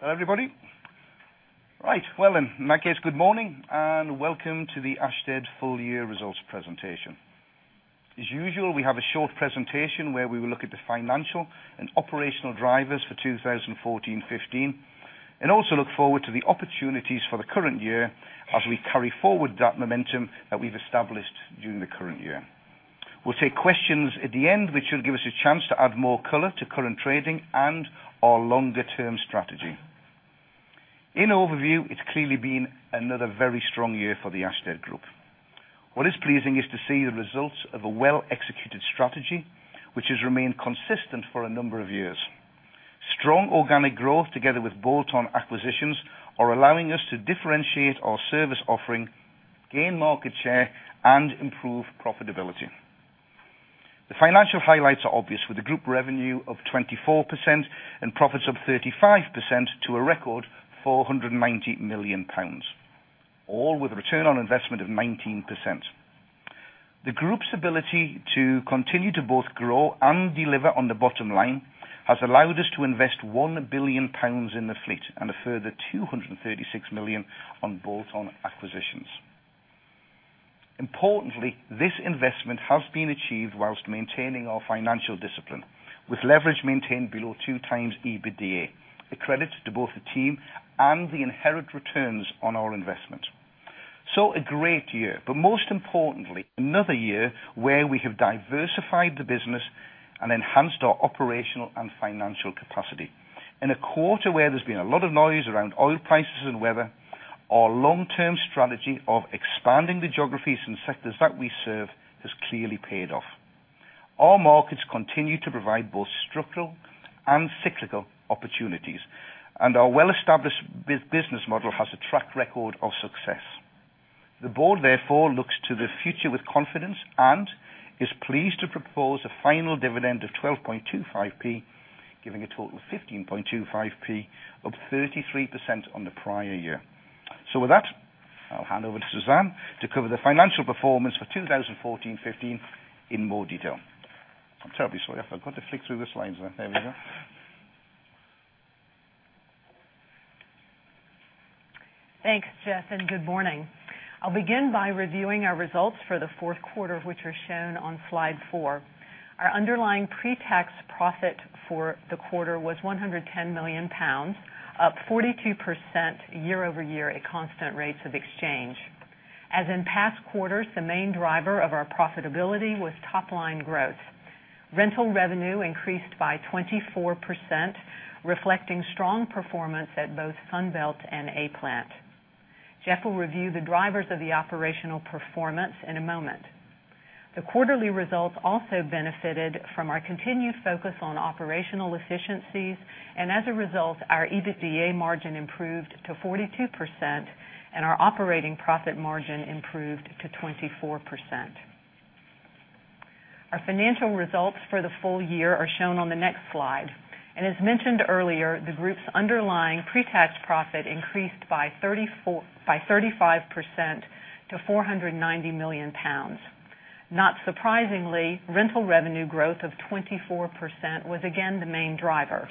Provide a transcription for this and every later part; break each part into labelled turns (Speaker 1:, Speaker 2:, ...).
Speaker 1: Hello, everybody. In that case, good morning, and welcome to the Ashtead full year results presentation. As usual, we have a short presentation where we will look at the financial and operational drivers for 2014/15, also look forward to the opportunities for the current year as we carry forward that momentum that we've established during the current year. We'll take questions at the end, which will give us a chance to add more color to current trading and our longer-term strategy. In overview, it's clearly been another very strong year for the Ashtead Group. What is pleasing is to see the results of a well-executed strategy, which has remained consistent for a number of years. Strong organic growth, together with bolt-on acquisitions, are allowing us to differentiate our service offering, gain market share, and improve profitability. The financial highlights are obvious with the group revenue up 24% and profits up 35% to a record 490 million pounds, all with a return on investment of 19%. The group's ability to continue to both grow and deliver on the bottom line has allowed us to invest 1 billion pounds in the fleet and a further 236 million on bolt-on acquisitions. Importantly, this investment has been achieved whilst maintaining our financial discipline, with leverage maintained below two times EBITDA. A credit to both the team and the inherent returns on our investment. A great year, most importantly, another year where we have diversified the business and enhanced our operational and financial capacity. In a quarter where there's been a lot of noise around oil prices and weather, our long-term strategy of expanding the geographies and sectors that we serve has clearly paid off. Our markets continue to provide both structural and cyclical opportunities. Our well-established business model has a track record of success. The board, therefore, looks to the future with confidence and is pleased to propose a final dividend of 0.1225, giving a total of 0.1525, up 33% on the prior year. With that, I'll hand over to Suzanne to cover the financial performance for 2014/15 in more detail. I'm terribly sorry. I forgot to flick through the slides there. There we go.
Speaker 2: Thanks, Geoff. Good morning. I'll begin by reviewing our results for the fourth quarter, which are shown on slide four. Our underlying pre-tax profit for the quarter was 110 million pounds, up 42% year-over-year at constant rates of exchange. As in past quarters, the main driver of our profitability was top-line growth. Rental revenue increased by 24%, reflecting strong performance at both Sunbelt and A-Plant. Geoff will review the drivers of the operational performance in a moment. The quarterly results also benefited from our continued focus on operational efficiencies. As a result, our EBITDA margin improved to 42% and our operating profit margin improved to 24%. Our financial results for the full year are shown on the next slide. As mentioned earlier, the group's underlying pre-tax profit increased by 35% to 490 million pounds. Not surprisingly, rental revenue growth of 24% was again the main driver.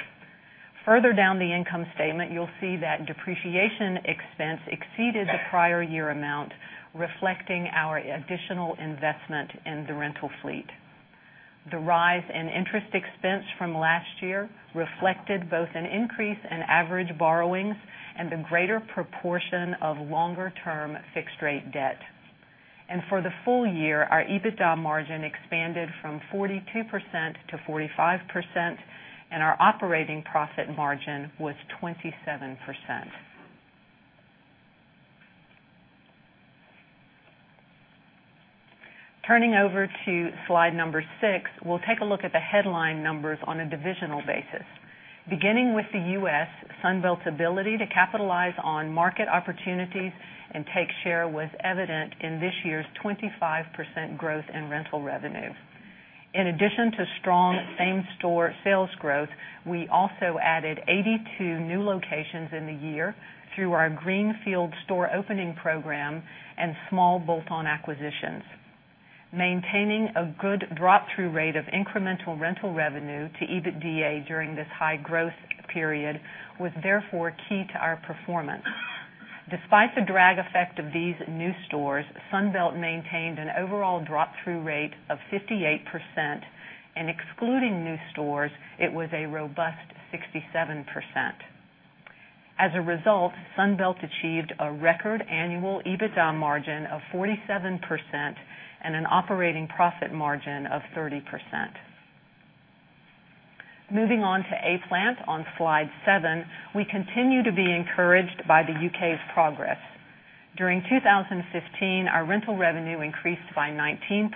Speaker 2: Further down the income statement, you'll see that depreciation expense exceeded the prior year amount, reflecting our additional investment in the rental fleet. The rise in interest expense from last year reflected both an increase in average borrowings and a greater proportion of longer-term fixed-rate debt. For the full year, our EBITDA margin expanded from 42%-45%, and our operating profit margin was 27%. Turning over to slide number 6, we'll take a look at the headline numbers on a divisional basis. Beginning with the U.S., Sunbelt's ability to capitalize on market opportunities and take share was evident in this year's 25% growth in rental revenue. In addition to strong same-store sales growth, we also added 82 new locations in the year through our Greenfield store opening program and small bolt-on acquisitions. Maintaining a good drop-through rate of incremental rental revenue to EBITDA during this high-growth period was therefore key to our performance. Despite the drag effect of these new stores, Sunbelt maintained an overall drop-through rate of 58%, and excluding new stores, it was a robust 67%. As a result, Sunbelt achieved a record annual EBITDA margin of 47% and an operating profit margin of 30%. Moving on to A-Plant on slide seven. We continue to be encouraged by the U.K.'s progress. During 2015, our rental revenue increased by 19%,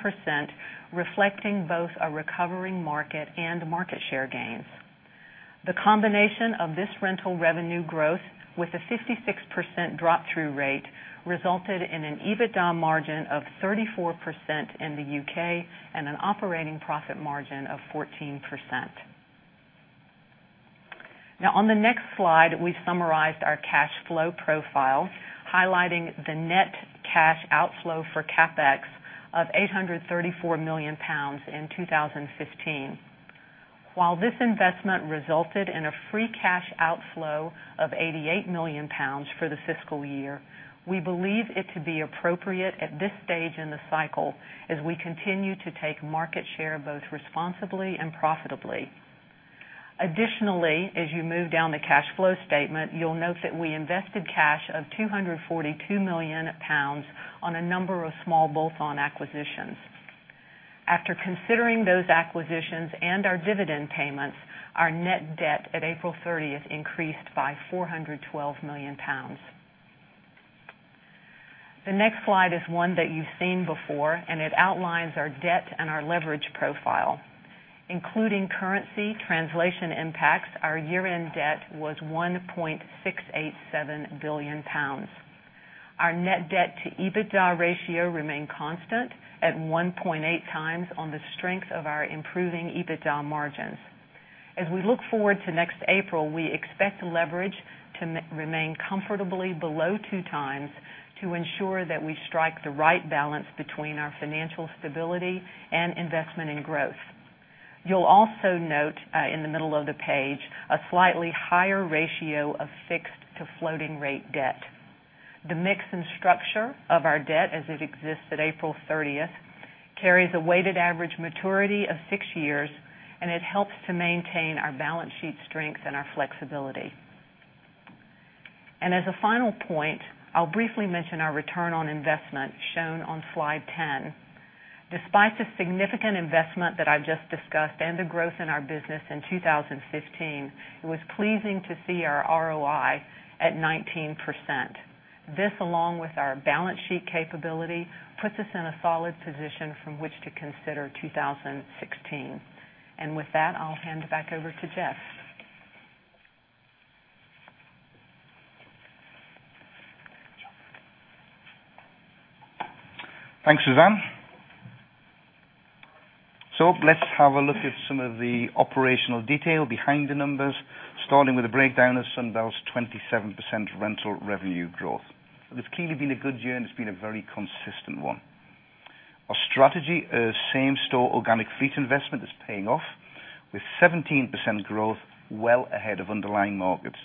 Speaker 2: reflecting both a recovering market and market share gains. The combination of this rental revenue growth with a 56% drop-through rate resulted in an EBITDA margin of 34% in the U.K. and an operating profit margin of 14%. On the next slide, we've summarized our cash flow profile, highlighting the net cash outflow for CapEx of 834 million pounds in 2015. While this investment resulted in a free cash outflow of 88 million pounds for the fiscal year, we believe it to be appropriate at this stage in the cycle as we continue to take market share both responsibly and profitably. Additionally, as you move down the cash flow statement, you'll note that we invested cash of 242 million pounds on a number of small bolt-on acquisitions. After considering those acquisitions and our dividend payments, our net debt at April 30th increased by 412 million pounds. The next slide is one that you've seen before, it outlines our debt and our leverage profile. Including currency translation impacts, our year-end debt was 1.687 billion pounds. Our net debt to EBITDA ratio remained constant at 1.8 times on the strength of our improving EBITDA margins. As we look forward to next April, we expect leverage to remain comfortably below two times to ensure that we strike the right balance between our financial stability and investment in growth. You'll also note, in the middle of the page, a slightly higher ratio of fixed to floating rate debt. The mix and structure of our debt as it exists at April 30th, carries a weighted average maturity of six years, it helps to maintain our balance sheet strength and our flexibility. As a final point, I'll briefly mention our return on investment shown on slide 10. Despite the significant investment that I've just discussed and the growth in our business in 2015, it was pleasing to see our ROI at 19%. This, along with our balance sheet capability, puts us in a solid position from which to consider 2016. With that, I'll hand it back over to Geoff.
Speaker 1: Thanks, Suzanne. Let's have a look at some of the operational detail behind the numbers, starting with a breakdown of Sunbelt's 27% rental revenue growth. It has clearly been a good year, and it's been a very consistent one. Our strategy of same-store organic fleet investment is paying off with 17% growth well ahead of underlying markets.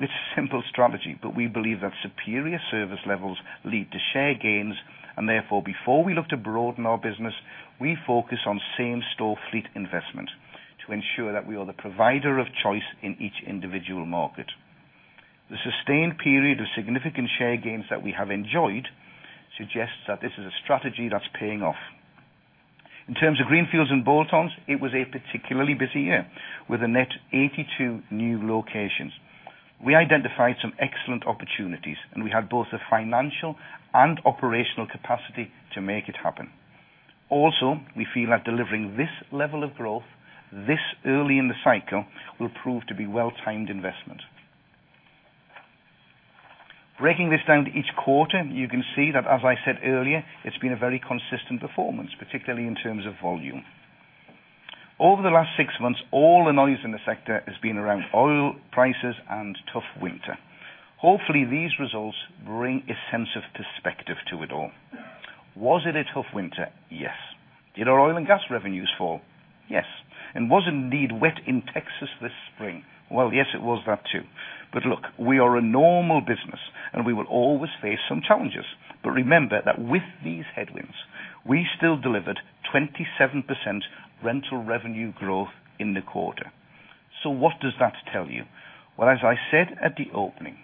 Speaker 1: It's a simple strategy, but we believe that superior service levels lead to share gains and therefore, before we look to broaden our business, we focus on same-store fleet investment to ensure that we are the provider of choice in each individual market. The sustained period of significant share gains that we have enjoyed suggests that this is a strategy that's paying off. In terms of greenfields and bolt-ons, it was a particularly busy year, with a net 82 new locations. We identified some excellent opportunities, we had both the financial and operational capacity to make it happen. Also, we feel that delivering this level of growth this early in the cycle will prove to be well-timed investment. Breaking this down to each quarter, you can see that, as I said earlier, it's been a very consistent performance, particularly in terms of volume. Over the last six months, all the noise in the sector has been around oil prices and tough winter. Hopefully, these results bring a sense of perspective to it all. Was it a tough winter? Yes. Did our oil and gas revenues fall? Yes. Was it indeed wet in Texas this spring? Well, yes, it was that too. Look, we are a normal business, and we will always face some challenges. Remember that with these headwinds, we still delivered 27% rental revenue growth in the quarter. What does that tell you? Well, as I said at the opening,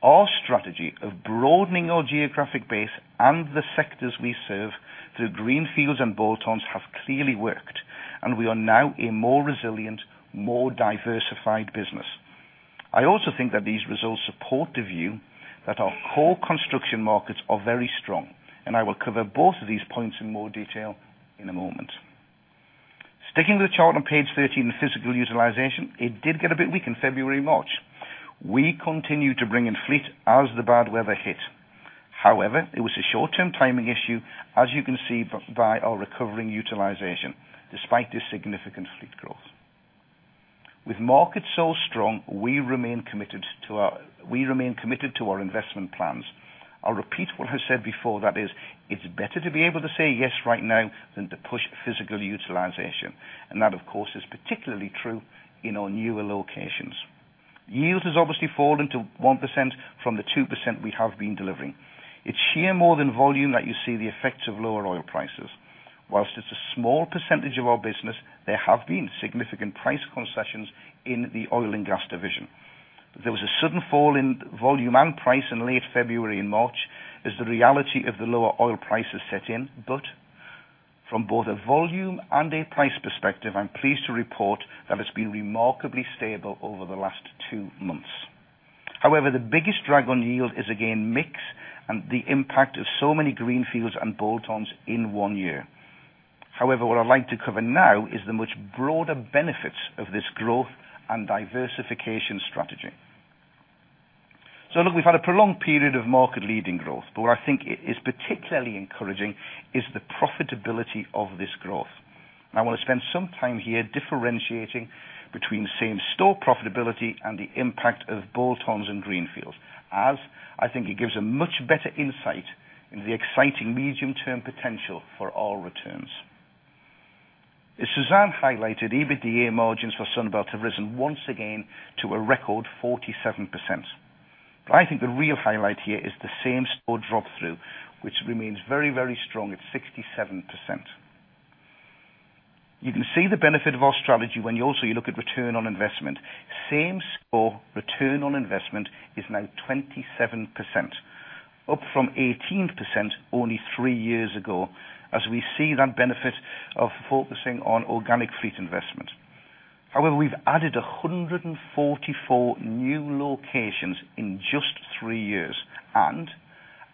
Speaker 1: our strategy of broadening our geographic base and the sectors we serve through greenfields and bolt-ons have clearly worked, and we are now a more resilient, more diversified business. I also think that these results support the view that our core construction markets are very strong, and I will cover both of these points in more detail in a moment. Sticking to the chart on page 13, the physical utilization, it did get a bit weak in February, March. We continued to bring in fleet as the bad weather hit. However, it was a short-term timing issue, as you can see by our recovering utilization despite this significant fleet growth. With markets so strong, we remain committed to our investment plans. I'll repeat what I said before, that is, it's better to be able to say yes right now than to push physical utilization. That, of course, is particularly true in our newer locations. Yield has obviously fallen to 1% from the 2% we have been delivering. It's here more than volume that you see the effects of lower oil prices. While it's a small percentage of our business, there have been significant price concessions in the oil and gas division. There was a sudden fall in volume and price in late February and March as the reality of the lower oil prices set in. From both a volume and a price perspective, I'm pleased to report that it's been remarkably stable over the last two months. The biggest drag on yield is again mix and the impact of so many greenfields and bolt-ons in one year. What I'd like to cover now is the much broader benefits of this growth and diversification strategy. Look, we've had a prolonged period of market-leading growth, but what I think is particularly encouraging is the profitability of this growth. I want to spend some time here differentiating between same-store profitability and the impact of bolt-ons and greenfields, as I think it gives a much better insight into the exciting medium-term potential for our returns. As Suzanne highlighted, EBITDA margins for Sunbelt have risen once again to a record 47%. I think the real highlight here is the same-store drop-through, which remains very, very strong at 67%. You can see the benefit of our strategy when you also look at return on investment. Same-store return on investment is now 27%, up from 18% only three years ago, as we see that benefit of focusing on organic fleet investment. We've added 144 new locations in just three years, and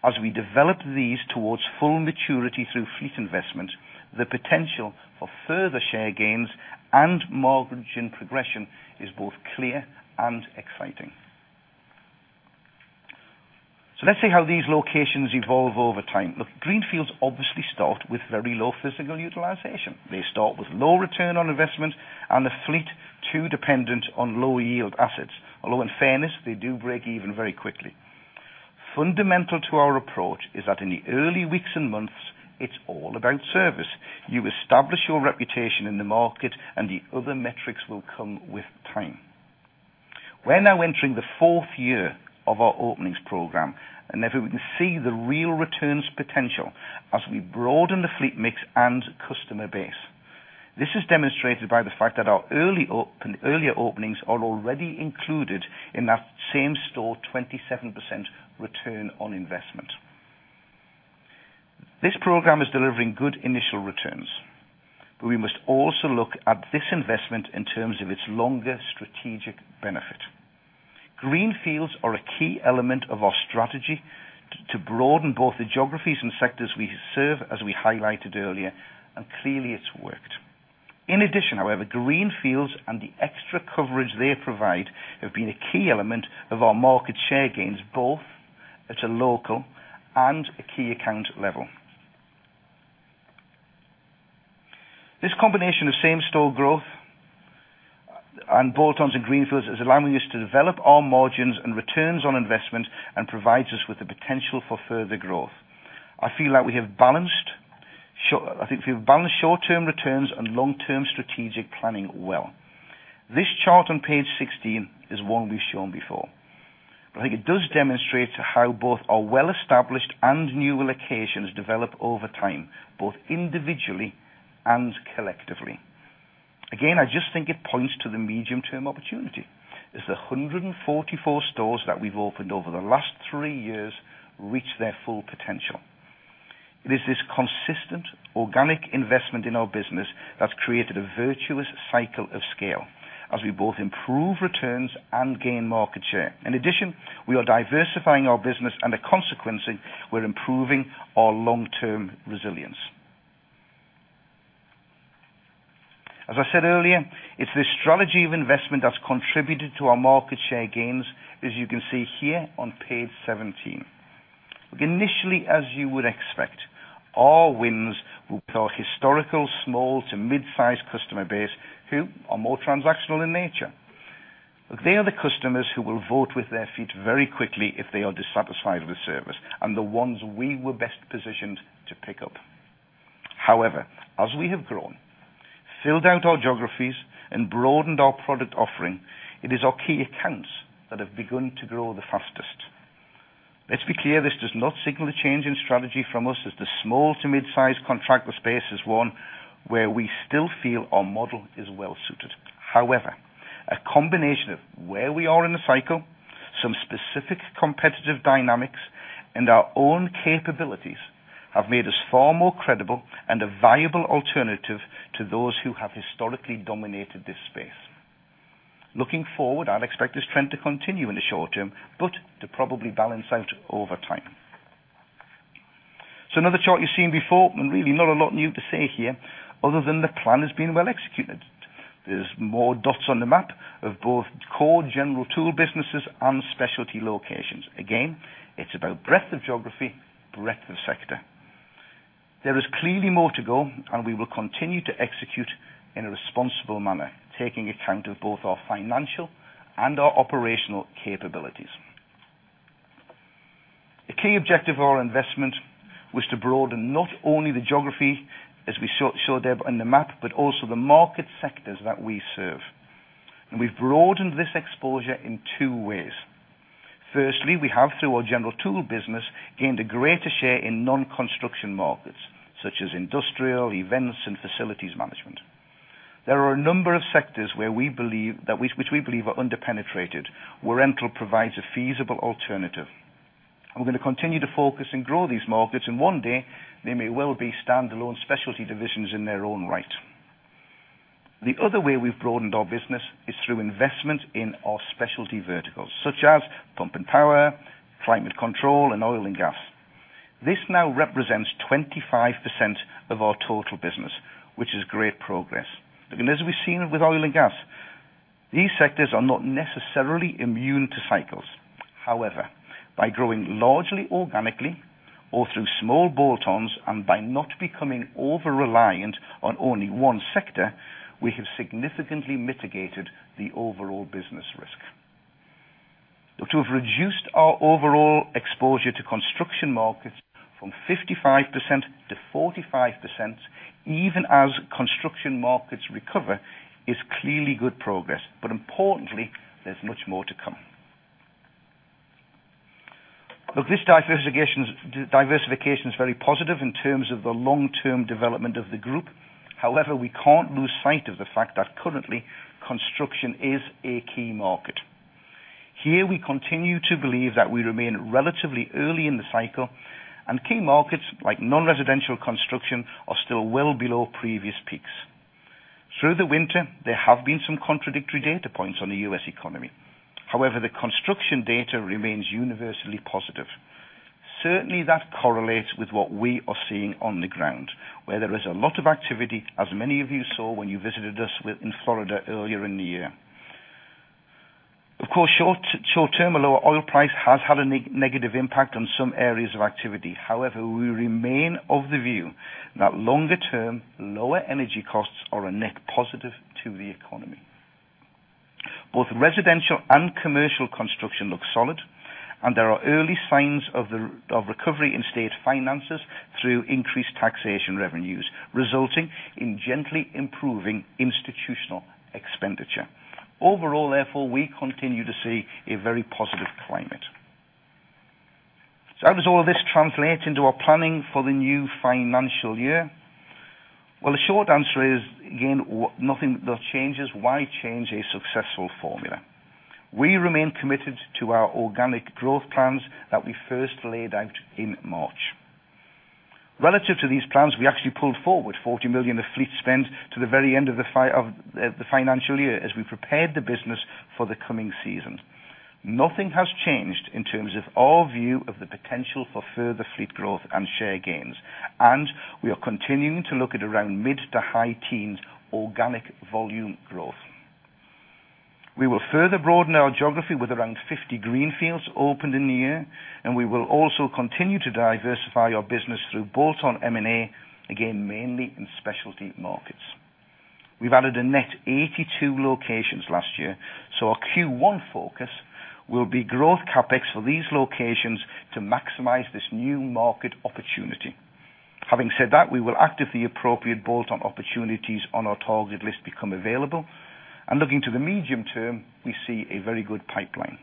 Speaker 1: as we develop these towards full maturity through fleet investment, the potential for further share gains and margin progression is both clear and exciting. Let's see how these locations evolve over time. Look, greenfields obviously start with very low physical utilization. They start with low return on investment and a fleet too dependent on low-yield assets, although in fairness, they do break even very quickly. Fundamental to our approach is that in the early weeks and months, it's all about service. You establish your reputation in the market, and the other metrics will come with time. We're now entering the fourth year of our openings program, therefore we can see the real returns potential as we broaden the fleet mix and customer base. This is demonstrated by the fact that our earlier openings are already included in that same-store 27% return on investment. This program is delivering good initial returns, but we must also look at this investment in terms of its longer strategic benefit. Greenfields are a key element of our strategy to broaden both the geographies and sectors we serve, as we highlighted earlier, and clearly it's worked. In addition, however, greenfields and the extra coverage they provide have been a key element of our market share gains, both at a local and a key account level. This combination of same-store growth and bolt-ons and greenfields is allowing us to develop our margins and returns on investment and provides us with the potential for further growth. I feel like we have balanced short-term returns and long-term strategic planning well. This chart on page 16 is one we've shown before, but I think it does demonstrate how both our well-established and new locations develop over time, both individually and collectively. Again, I just think it points to the medium-term opportunity as the 144 stores that we've opened over the last three years reach their full potential. It is this consistent organic investment in our business that's created a virtuous cycle of scale as we both improve returns and gain market share. In addition, we are diversifying our business and consequently, we're improving our long-term resilience. As I said earlier, it's this strategy of investment that's contributed to our market share gains, as you can see here on page 17. Initially, as you would expect, our wins with our historical small to mid-size customer base who are more transactional in nature. They are the customers who will vote with their feet very quickly if they are dissatisfied with the service and the ones we were best positioned to pick up. However, as we have grown, filled out our geographies, and broadened our product offering, it is our key accounts that have begun to grow the fastest. Let's be clear, this does not signal a change in strategy from us as the small to mid-size contractual space is one where we still feel our model is well suited. However, a combination of where we are in the cycle, some specific competitive dynamics, and our own capabilities have made us far more credible and a viable alternative to those who have historically dominated this space. Looking forward, I'd expect this trend to continue in the short term, but to probably balance out over time. Another chart you've seen before, and really not a lot new to say here other than the plan has been well executed. There's more dots on the map of both core general tool businesses and specialty locations. Again, it's about breadth of geography, breadth of sector. There is clearly more to go, and we will continue to execute in a responsible manner, taking account of both our financial and our operational capabilities. A key objective of our investment was to broaden not only the geography as we showed there on the map, but also the market sectors that we serve. We've broadened this exposure in two ways. Firstly, we have through our general tool business, gained a greater share in non-construction markets such as industrial, events, and facilities management. There are a number of sectors which we believe are under-penetrated, where rental provides a feasible alternative. We're going to continue to focus and grow these markets, and one day they may well be standalone specialty divisions in their own right. The other way we've broadened our business is through investment in our specialty verticals such as Pump & Power, Climate Control, and oil and gas. This now represents 25% of our total business, which is great progress. As we've seen with oil and gas, these sectors are not necessarily immune to cycles. However, by growing largely organically or through small bolt-ons, and by not becoming over-reliant on only one sector, we have significantly mitigated the overall business risk. To have reduced our overall exposure to construction markets from 55%-45%, even as construction markets recover, is clearly good progress. Importantly, there's much more to come. This diversification is very positive in terms of the long-term development of the group. However, we can't lose sight of the fact that currently, construction is a key market. Here, we continue to believe that we remain relatively early in the cycle, and key markets like non-residential construction are still well below previous peaks. Through the winter, there have been some contradictory data points on the U.S. economy. However, the construction data remains universally positive. Certainly, that correlates with what we are seeing on the ground, where there is a lot of activity, as many of you saw when you visited us in Florida earlier in the year. Of course, short-term, a lower oil price has had a negative impact on some areas of activity. However, we remain of the view that longer-term, lower energy costs are a net positive to the economy. Both residential and commercial construction looks solid, and there are early signs of recovery in state finances through increased taxation revenues, resulting in gently improving institutional expenditure. How does all of this translate into our planning for the new financial year? The short answer is, again, nothing thus changes. Why change a successful formula? We remain committed to our organic growth plans that we first laid out in March. Relative to these plans, we actually pulled forward 40 million of fleet spend to the very end of the financial year as we prepared the business for the coming season. Nothing has changed in terms of our view of the potential for further fleet growth and share gains. We are continuing to look at around mid-to-high teens organic volume growth. We will further broaden our geography with around 50 greenfields opened in the year, and we will also continue to diversify our business through bolt-on M&A, again, mainly in specialty markets. We've added a net 82 locations last year, so our Q1 focus will be growth CapEx for these locations to maximize this new market opportunity. Having said that, we will actively appropriate bolt-on opportunities on our target list become available. Looking to the medium term, we see a very good pipeline.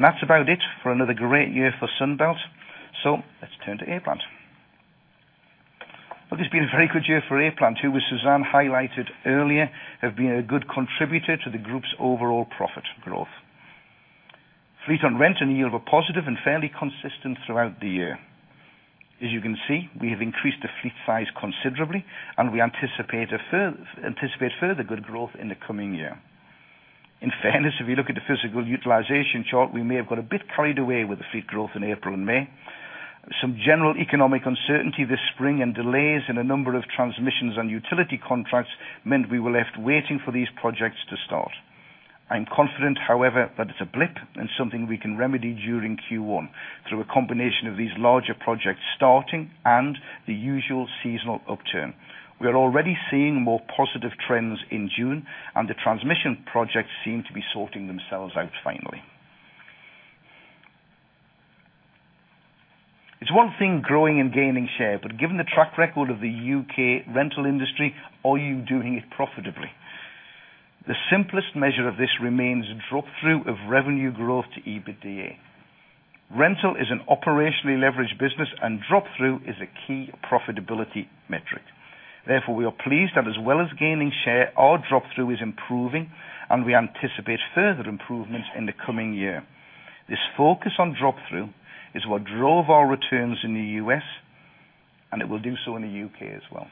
Speaker 1: That's about it for another great year for Sunbelt. Let's turn to A-Plant. It's been a very good year for A-Plant who, as Suzanne highlighted earlier, have been a good contributor to the group's overall profit growth. Fleet on rent and yield were positive and fairly consistent throughout the year. As you can see, we have increased the fleet size considerably, and we anticipate further good growth in the coming year. In fairness, if you look at the physical utilization chart, we may have got a bit carried away with the fleet growth in April and May. Some general economic uncertainty this spring and delays in a number of transmission and utility contracts meant we were left waiting for these projects to start. I'm confident, however, that it's a blip and something we can remedy during Q1 through a combination of these larger projects starting and the usual seasonal upturn. We are already seeing more positive trends in June, and the transmission projects seem to be sorting themselves out finally. Given the track record of the U.K. rental industry, are you doing it profitably? The simplest measure of this remains drop-through of revenue growth to EBITDA. Rental is an operationally leveraged business, and drop-through is a key profitability metric. Therefore, we are pleased that as well as gaining share, our drop-through is improving, and we anticipate further improvements in the coming year. This focus on drop-through is what drove our returns in the U.S., and it will do so in the U.K. as well.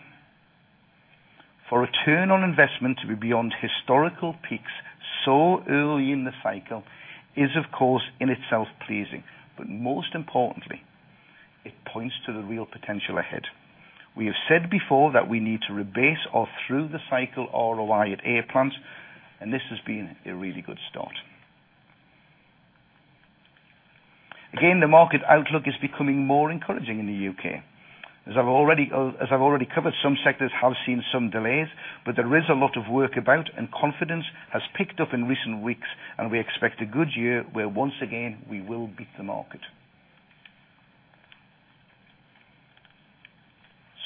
Speaker 1: For return on investment to be beyond historical peaks so early in the cycle is, of course, in itself pleasing, but most importantly, it points to the real potential ahead. We have said before that we need to rebase our through the cycle ROI at A-Plant, and this has been a really good start. The market outlook is becoming more encouraging in the U.K. As I've already covered, some sectors have seen some delays, but there is a lot of work about, and confidence has picked up in recent weeks, and we expect a good year where once again, we will beat the market.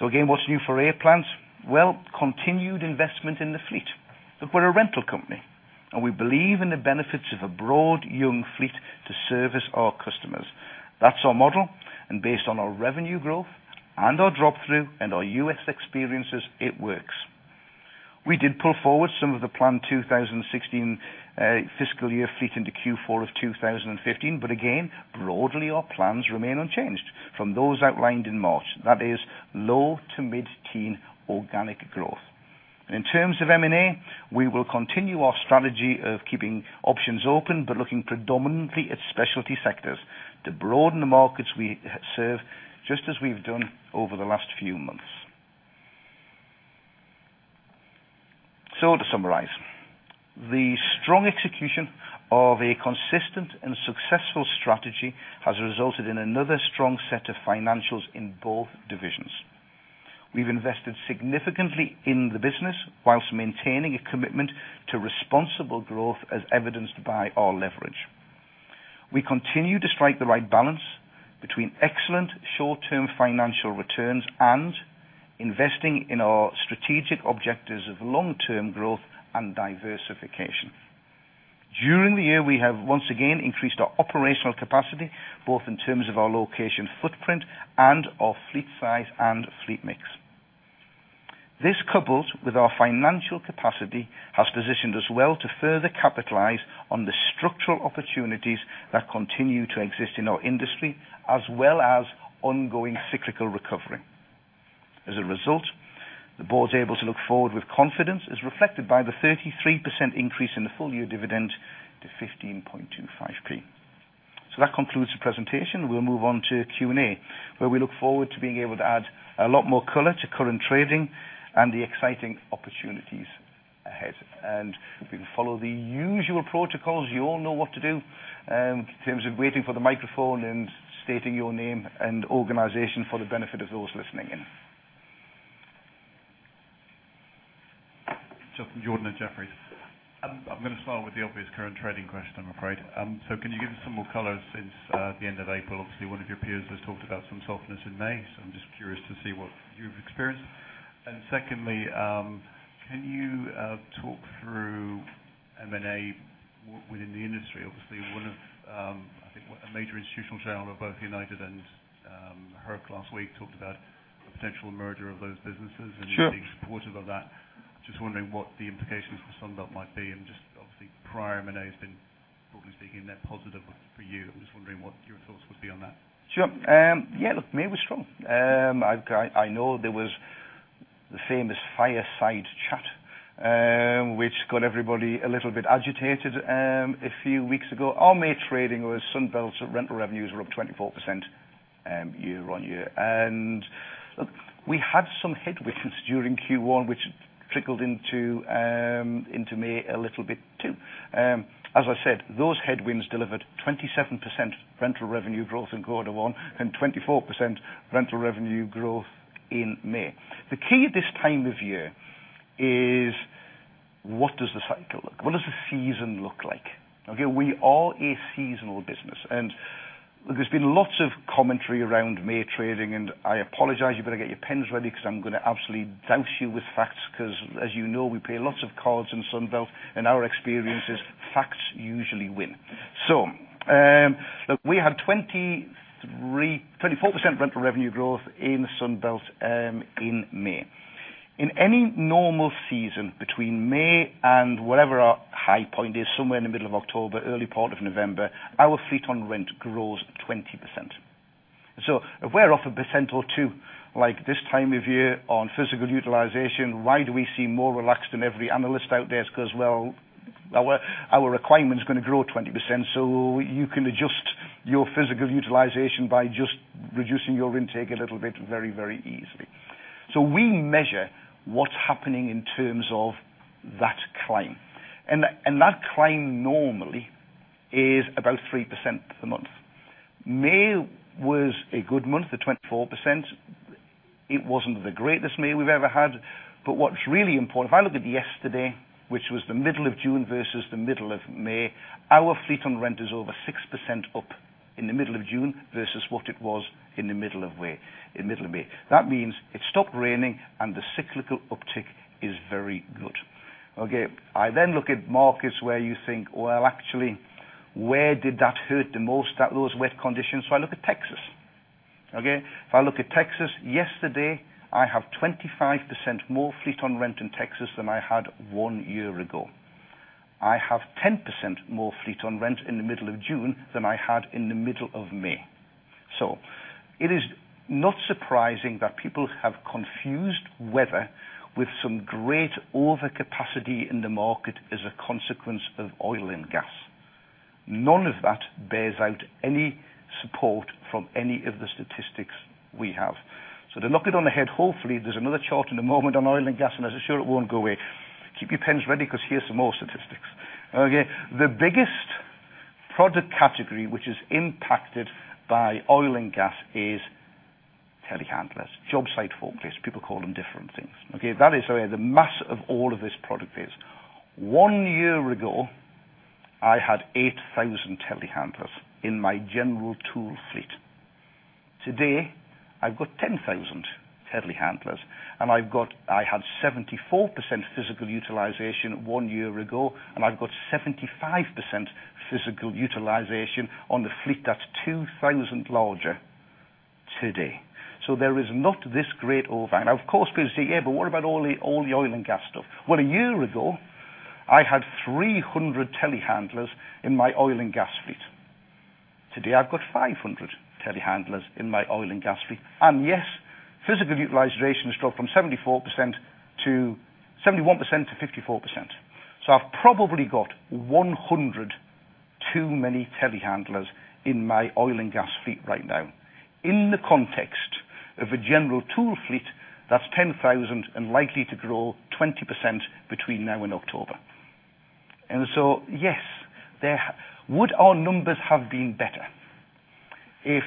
Speaker 1: Again, what's new for A-Plant? Well, continued investment in the fleet. Look, we're a rental company, and we believe in the benefits of a broad, young fleet to service our customers. That's our model, and based on our revenue growth and our drop-through and our U.S. experiences, it works. We did pull forward some of the planned 2016 fiscal year fleet into Q4 of 2015, but again, broadly our plans remain unchanged from those outlined in March. That is low to mid-teen organic growth. In terms of M&A, we will continue our strategy of keeping options open, but looking predominantly at specialty sectors to broaden the markets we serve, just as we've done over the last few months. To summarize, the strong execution of a consistent and successful strategy has resulted in another strong set of financials in both divisions. We've invested significantly in the business whilst maintaining a commitment to responsible growth, as evidenced by our leverage. We continue to strike the right balance between excellent short-term financial returns and investing in our strategic objectives of long-term growth and diversification. During the year, we have once again increased our operational capacity, both in terms of our location footprint and our fleet size and fleet mix. This, coupled with our financial capacity, has positioned us well to further capitalize on the structural opportunities that continue to exist in our industry, as well as ongoing cyclical recovery. As a result, the board is able to look forward with confidence, as reflected by the 33% increase in the full-year dividend to 0.1525. That concludes the presentation. We'll move on to Q&A, where we look forward to being able to add a lot more color to current trading and the exciting opportunities ahead. If we can follow the usual protocols, you all know what to do in terms of waiting for the microphone and stating your name and organization for the benefit of those listening in.
Speaker 3: Justin Jordan at Jefferies. I'm going to start with the obvious current trading question, I'm afraid. Can you give us some more color since the end of April? Obviously, one of your peers has talked about some softness in May, so I'm just curious to see what you've experienced. Secondly, can you talk through M&A within the industry? Obviously, one of, I think, a major institutional journal of both United and Herc last week talked about the potential merger of those businesses.
Speaker 1: Sure
Speaker 3: Being supportive of that. Just wondering what the implications for Sunbelt might be and just obviously prior M&A has been, broadly speaking, net positive for you. I'm just wondering what your thoughts would be on that.
Speaker 1: Sure. Yeah, look, May was strong. I know there was the famous fireside chat, which got everybody a little bit agitated a few weeks ago. Our May trading was Sunbelt rental revenues were up 24% year-on-year. Look, we had some headwinds during Q1, which trickled into May a little bit too. As I said, those headwinds delivered 27% rental revenue growth in quarter one and 24% rental revenue growth in May. The key at this time of year is what does the cycle look, what does the season look like? We are a seasonal business, and there's been lots of commentary around May trading, and I apologize, you better get your pens ready because I'm going to absolutely douse you with facts, because as you know, we play lots of cards in Sunbelt, and our experience is facts usually win. Look, we had 24% rental revenue growth in Sunbelt in May. In any normal season, between May and whatever our high point is, somewhere in the middle of October, early part of November, our fleet on rent grows 20%. If we're off 1% or 2% like this time of year on physical utilization, why do we seem more relaxed than every analyst out there? It's because, well, our requirement is going to grow 20%, you can adjust your physical utilization by just reducing your intake a little bit very, very easily. We measure what's happening in terms of that climb. That climb normally is about 3% a month. May was a good month, the 24%. It wasn't the greatest May we've ever had. What's really important, if I look at yesterday, which was the middle of June versus the middle of May, our fleet on rent is over 6% up in the middle of June versus what it was in the middle of May. That means it stopped raining and the cyclical uptick is very good. Okay. I look at markets where you think, well, actually, where did that hurt the most, those wet conditions? I look at Texas. Okay? If I look at Texas, yesterday, I have 25% more fleet on rent in Texas than I had 1 year ago. I have 10% more fleet on rent in the middle of June than I had in the middle of May. It is not surprising that people have confused weather with some great overcapacity in the market as a consequence of oil and gas. None of that bears out any support from any of the statistics we have. To knock it on the head, hopefully, there's another chart in a moment on oil and gas, as I assure it won't go away. Keep your pens ready because here's some more statistics. Okay? The biggest product category which is impacted by oil and gas is telehandlers, job site forklifts. People call them different things. Okay? That is the mass of all of this product is. 1 year ago, I had 8,000 telehandlers in my general tool fleet. Today, I've got 10,000 telehandlers, and I had 74% physical utilization 1 year ago, and I've got 75% physical utilization on the fleet that's 2,000 larger today. There is not this great overhang. Of course, people say, "Yeah, what about all the oil and gas stuff?" Well, 1 year ago, I had 300 telehandlers in my oil and gas fleet. Today, I've got 500 telehandlers in my oil and gas fleet. Yes, physical utilization has dropped from 71% to 54%. I've probably got 100 too many telehandlers in my oil and gas fleet right now. In the context of a general tool fleet, that's 10,000 and likely to grow 20% between now and October. Yes, would our numbers have been better if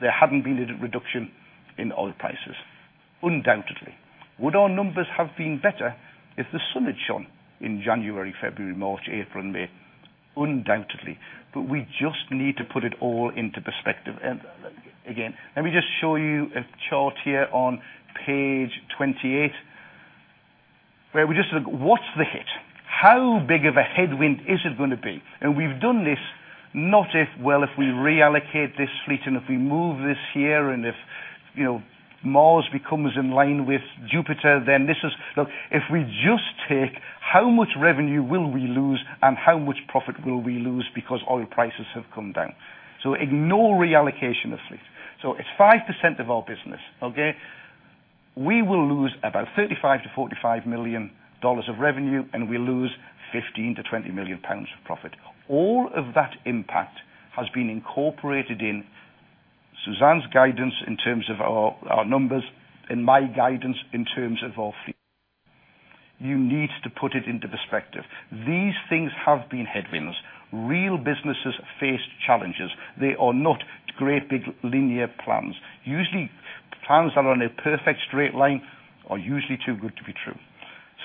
Speaker 1: there hadn't been a reduction in oil prices? Undoubtedly. Would our numbers have been better if the sun had shone in January, February, March, April, and May? Undoubtedly. We just need to put it all into perspective. Let me just show you a chart here on page 28, where we just look, what's the hit? How big of a headwind is it going to be? We've done this not if we reallocate this fleet and if we move this here, and if Mars becomes in line with Jupiter, then this is if we just take how much revenue will we lose and how much profit will we lose because oil prices have come down. Ignore reallocation of fleet. It's 5% of our business. Okay? We will lose about $35 million-$45 million of revenue, and we lose 15 million-20 million pounds of profit. All of that impact has been incorporated in Suzanne's guidance in terms of our numbers, and my guidance in terms of our fleet. You need to put it into perspective. These things have been headwinds. Real businesses face challenges. They are not great big linear plans. Usually, plans that are on a perfect straight line are usually too good to be true.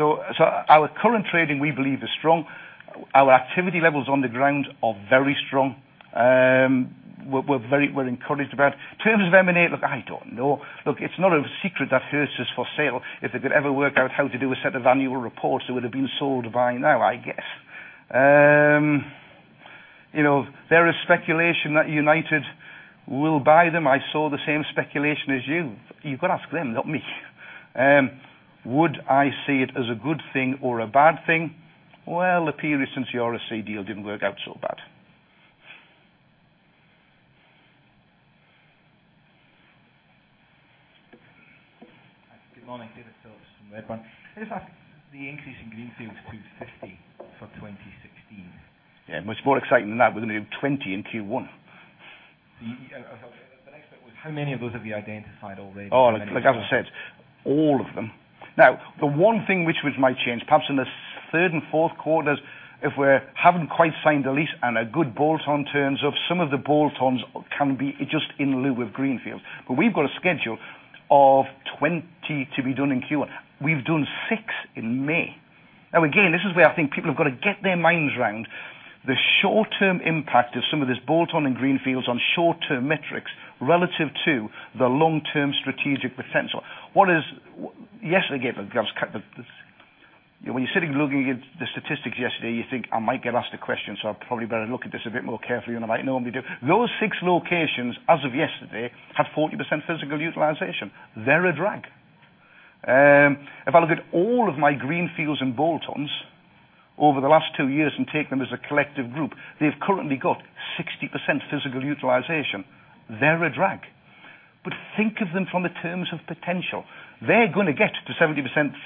Speaker 1: Our current trading, we believe, is strong. Our activity levels on the ground are very strong. We're encouraged about it. In terms of M&A, I don't know. It's not a secret that Herc is for sale. If they could ever work out how to do a set of annual reports, it would've been sold by now, I guess. There is speculation that United will buy them. I saw the same speculation as you. You've got to ask them, not me. Would I see it as a good thing or a bad thing? Well, apparently since the RSC deal, it didn't work out so bad.
Speaker 4: Good morning. David Phillips from Redburn. Can I just ask the increase in greenfields to 50 for 2016?
Speaker 1: Much more exciting than that, we're going to do 20 in Q1.
Speaker 4: The next bit was how many of those have you identified already?
Speaker 1: Like I said, all of them. The one thing which might change, perhaps in the third and fourth quarters if we haven't quite signed a lease and a good bolt-on turns up, some of the bolt-ons can be just in lieu of greenfields. We've got a schedule of 20 to be done in Q1. We've done six in May. Again, this is where I think people have got to get their minds around the short-term impact of some of this bolt-on and greenfields on short-term metrics relative to the long-term strategic potential. When you're sitting looking at the statistics yesterday, you think, "I might get asked a question, so I'd probably better look at this a bit more carefully than I might normally do." Those six locations, as of yesterday, have 40% physical utilization. They're a drag. If I look at all of my greenfields and bolt-ons over the last two years and take them as a collective group, they've currently got 60% physical utilization. They're a drag. Think of them from the terms of potential. They're going to get to 70%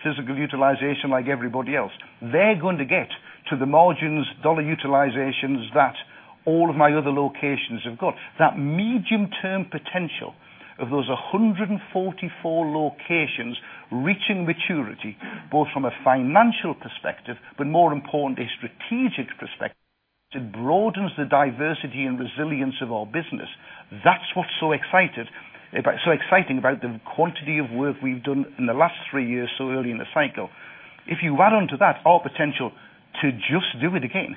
Speaker 1: physical utilization like everybody else. They're going to get to the margins, dollar utilizations that all of my other locations have got. That medium-term potential of those 144 locations reaching maturity, both from a financial perspective, but more importantly, strategic perspective, it broadens the diversity and resilience of our business. That's what's so exciting about the quantity of work we've done in the last three years so early in the cycle. If you add onto that our potential to just do it again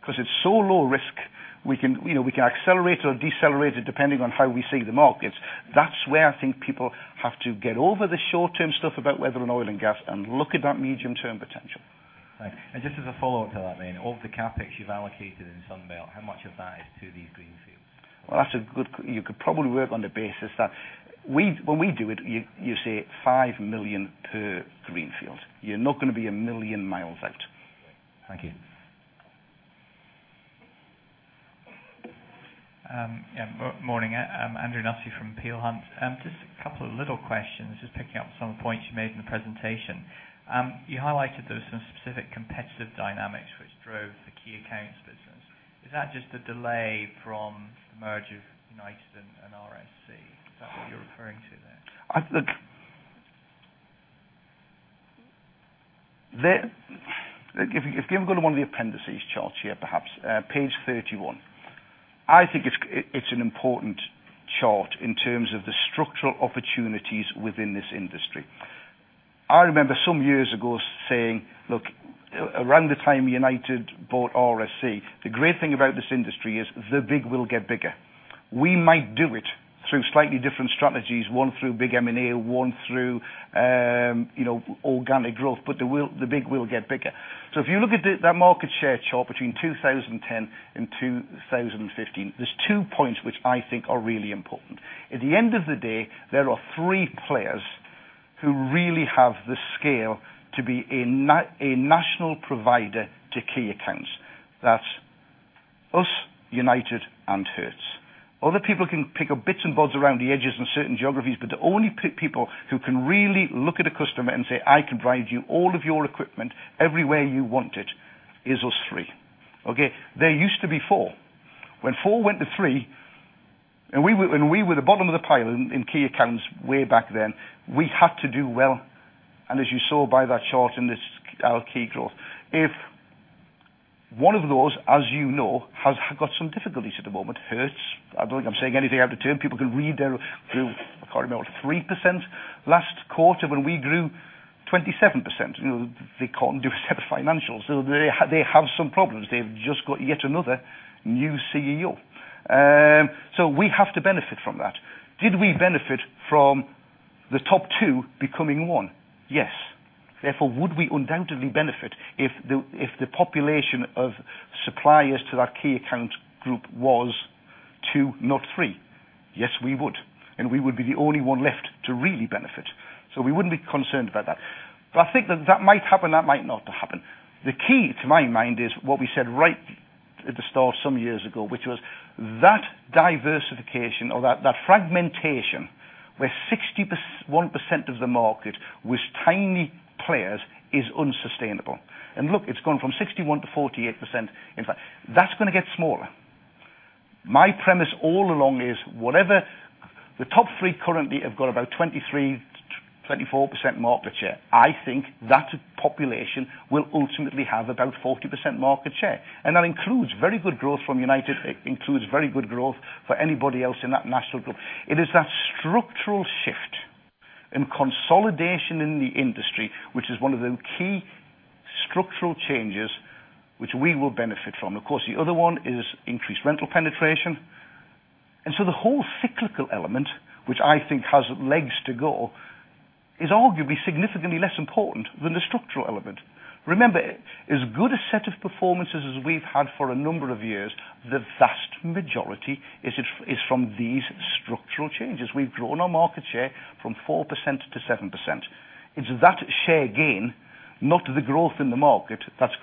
Speaker 1: because it's so low risk, we can accelerate or decelerate it depending on how we see the markets. That's where I think people have to get over the short-term stuff about whether in oil and gas and look at that medium-term potential.
Speaker 4: Thanks. Just as a follow-up to that then, of the CapEx you've allocated in Sunbelt, how much of that is to these greenfields?
Speaker 1: Well, you could probably work on the basis that when we do it, you say 5 million per greenfield. You're not going to be a million miles out.
Speaker 4: Thank you.
Speaker 5: Yeah. Morning. Andrew Nussey from Peel Hunt. Just a couple of little questions, just picking up some points you made in the presentation. You highlighted there were some specific competitive dynamics which drove the key accounts business. Is that just a delay from the merge of United and RSC? Is that what you're referring to there?
Speaker 1: If you go to one of the appendices charts here, perhaps, page 31. I think it's an important chart in terms of the structural opportunities within this industry. I remember some years ago saying, around the time United bought RSC, the great thing about this industry is the big will get bigger. We might do it through slightly different strategies, one through big M&A, one through organic growth. The big will get bigger. If you look at that market share chart between 2010 and 2015, there's two points which I think are really important. At the end of the day, there are three players who really have the scale to be a national provider to key accounts. That's us, United, and Hertz. Other people can pick up bits and bobs around the edges in certain geographies. The only people who can really look at a customer and say, "I can provide you all of your equipment everywhere you want it," is us three. Okay? There used to be four. When four went to three, we were the bottom of the pile in key accounts way back then, we had to do well. As you saw by that chart in our key growth. If one of those, as you know, has got some difficulties at the moment, Hertz, I don't think I'm saying anything out of turn. People can read there, I don't know, 3% last quarter, when we grew 27%. They can't do a set of financials. They have some problems. They've just got yet another new CEO. We have to benefit from that. Did we benefit from the top two becoming one? Yes. Therefore, would we undoubtedly benefit if the population of suppliers to that key account group was two, not three? Yes, we would. We would be the only one left to really benefit. We wouldn't be concerned about that. I think that might happen, that might not happen. The key, to my mind, is what we said right at the start some years ago, which was that diversification or that fragmentation where 61% of the market with tiny players is unsustainable. It's gone from 61%-48%, in fact. That's going to get smaller. My premise all along is whatever the top three currently have got about 23%-24% market share. I think that population will ultimately have about 40% market share, and that includes very good growth from United. It includes very good growth for anybody else in that national group. It is that structural shift and consolidation in the industry, which is one of the key structural changes which we will benefit from. Of course, the other one is increased rental penetration. The whole cyclical element, which I think has legs to go, is arguably significantly less important than the structural element. Remember, as good a set of performances as we've had for a number of years, the vast majority is from these structural changes. We've grown our market share from 4%-7%. It's that share gain, not the growth in the market, that's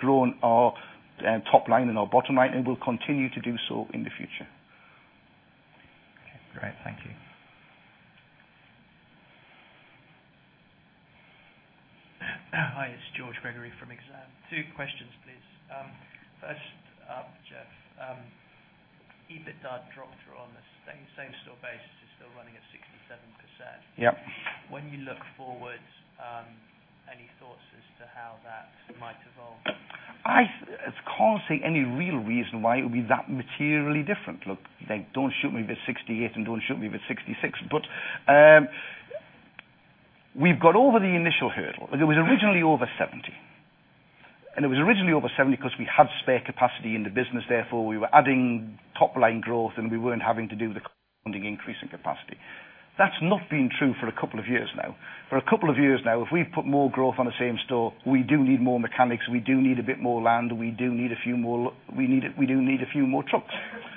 Speaker 1: grown our top line and our bottom line, and will continue to do so in the future.
Speaker 5: Okay, great. Thank you.
Speaker 6: Hi, it's George Gregory from Exane. Two questions, please. First, Geoff, EBITDA drop-through on the same-store base is still running at 67%.
Speaker 1: Yep.
Speaker 6: You look forward, any thoughts as to how that might evolve?
Speaker 1: I can't say any real reason why it would be that materially different. Look, don't shoot me with 68 and don't shoot me with 66. We've got over the initial hurdle. It was originally over 70. It was originally over 70 because we had spare capacity in the business, therefore we were adding top-line growth, we weren't having to do the increase in capacity. That's not been true for a couple of years now. For a couple of years now, if we put more growth on the same store, we do need more mechanics, we do need a bit more land, we do need a few more trucks.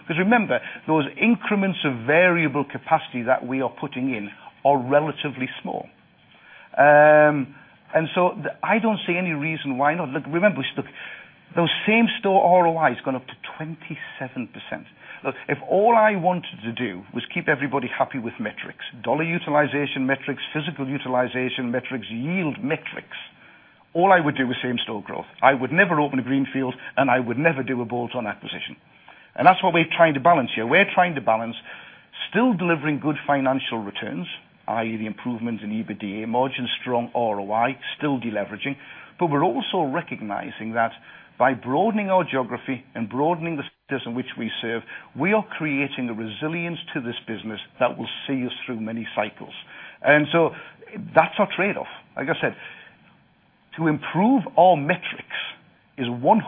Speaker 1: Remember, those increments of variable capacity that we are putting in are relatively small. I don't see any reason why not. Remember, those same store ROIs has gone up to 27%. Look, if all I wanted to do was keep everybody happy with metrics, dollar utilization metrics, physical utilization metrics, yield metrics, all I would do is same store growth. I would never open a greenfield, and I would never do a bolt-on acquisition. That's what we're trying to balance here. We're trying to balance still delivering good financial returns, i.e., the improvements in EBITDA margin, strong ROI, still de-leveraging. We're also recognizing that by broadening our geography and broadening the sectors in which we serve, we are creating a resilience to this business that will see us through many cycles. That's our trade-off. Like I said, to improve our metrics is 100%